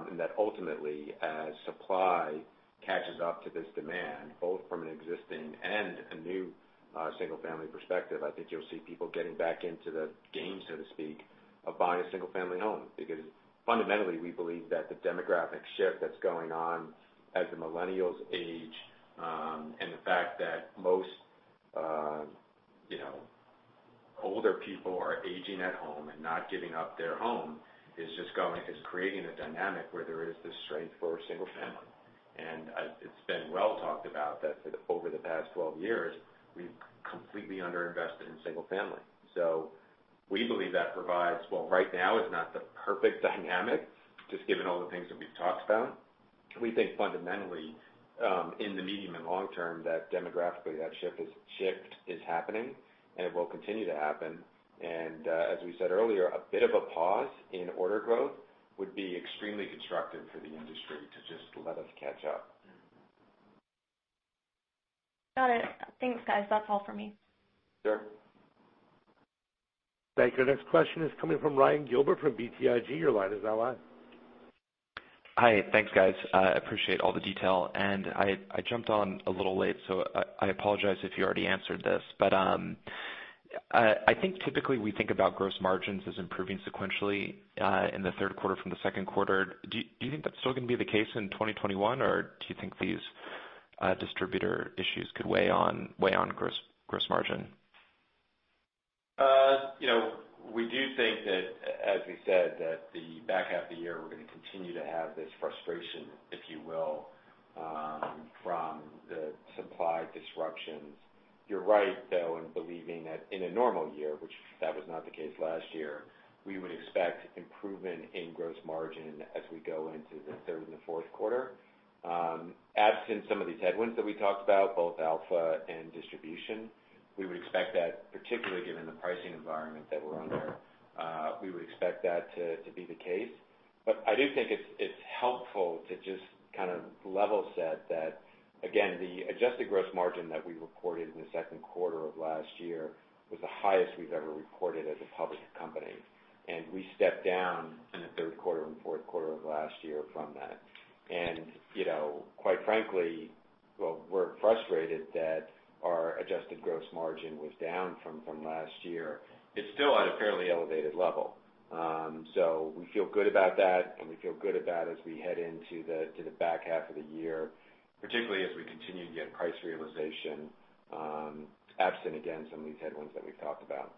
and that ultimately, as supply catches up to this demand, both from an existing and a new single-family perspective, I think you'll see people getting back into the game, so to speak, of buying a single-family home because fundamentally, we believe that the demographic shift that's going on as the millennials age and the fact that most older people are aging at home and not giving up their home is creating a dynamic where there is this strength for single-family. And it's been well talked about that over the past 12 years, we've completely underinvested in single-family. So we believe that provides well, right now, it's not the perfect dynamic just given all the things that we've talked about. We think fundamentally, in the medium and long term, that demographically, that shift is happening, and it will continue to happen. And as we said earlier, a bit of a pause in order growth would be extremely constructive for the industry to just let us catch up. Got it. Thanks, guys. That's all for me. Sure. Thank you. Our next question is coming from Ryan Gilbert from BTIG. Your line is now live. Hi. Thanks, guys. I appreciate all the detail, and I jumped on a little late, so I apologize if you already answered this. But I think typically, we think about gross margins as improving sequentially in the third quarter from the second quarter. Do you think that's still going to be the case in 2021, or do you think these distributor issues could weigh on gross margin? We do think that, as we said, that the back half of the year, we're going to continue to have this frustration, if you will, from the supply disruptions. You're right, though, in believing that in a normal year, which that was not the case last year, we would expect improvement in gross margin as we go into the third and the fourth quarter. Absent some of these headwinds that we talked about, both Alpha and distribution, we would expect that, particularly given the pricing environment that we're under, we would expect that to be the case. I do think it's helpful to just kind of level set that, again, the adjusted gross margin that we reported in the second quarter of last year was the highest we've ever reported as a public company, and we stepped down in the third quarter and fourth quarter of last year from that. Quite frankly, well, we're frustrated that our adjusted gross margin was down from last year. It's still at a fairly elevated level. We feel good about that, and we feel good about as we head into the back half of the year, particularly as we continue to get price realization absent, again, some of these headwinds that we've talked about.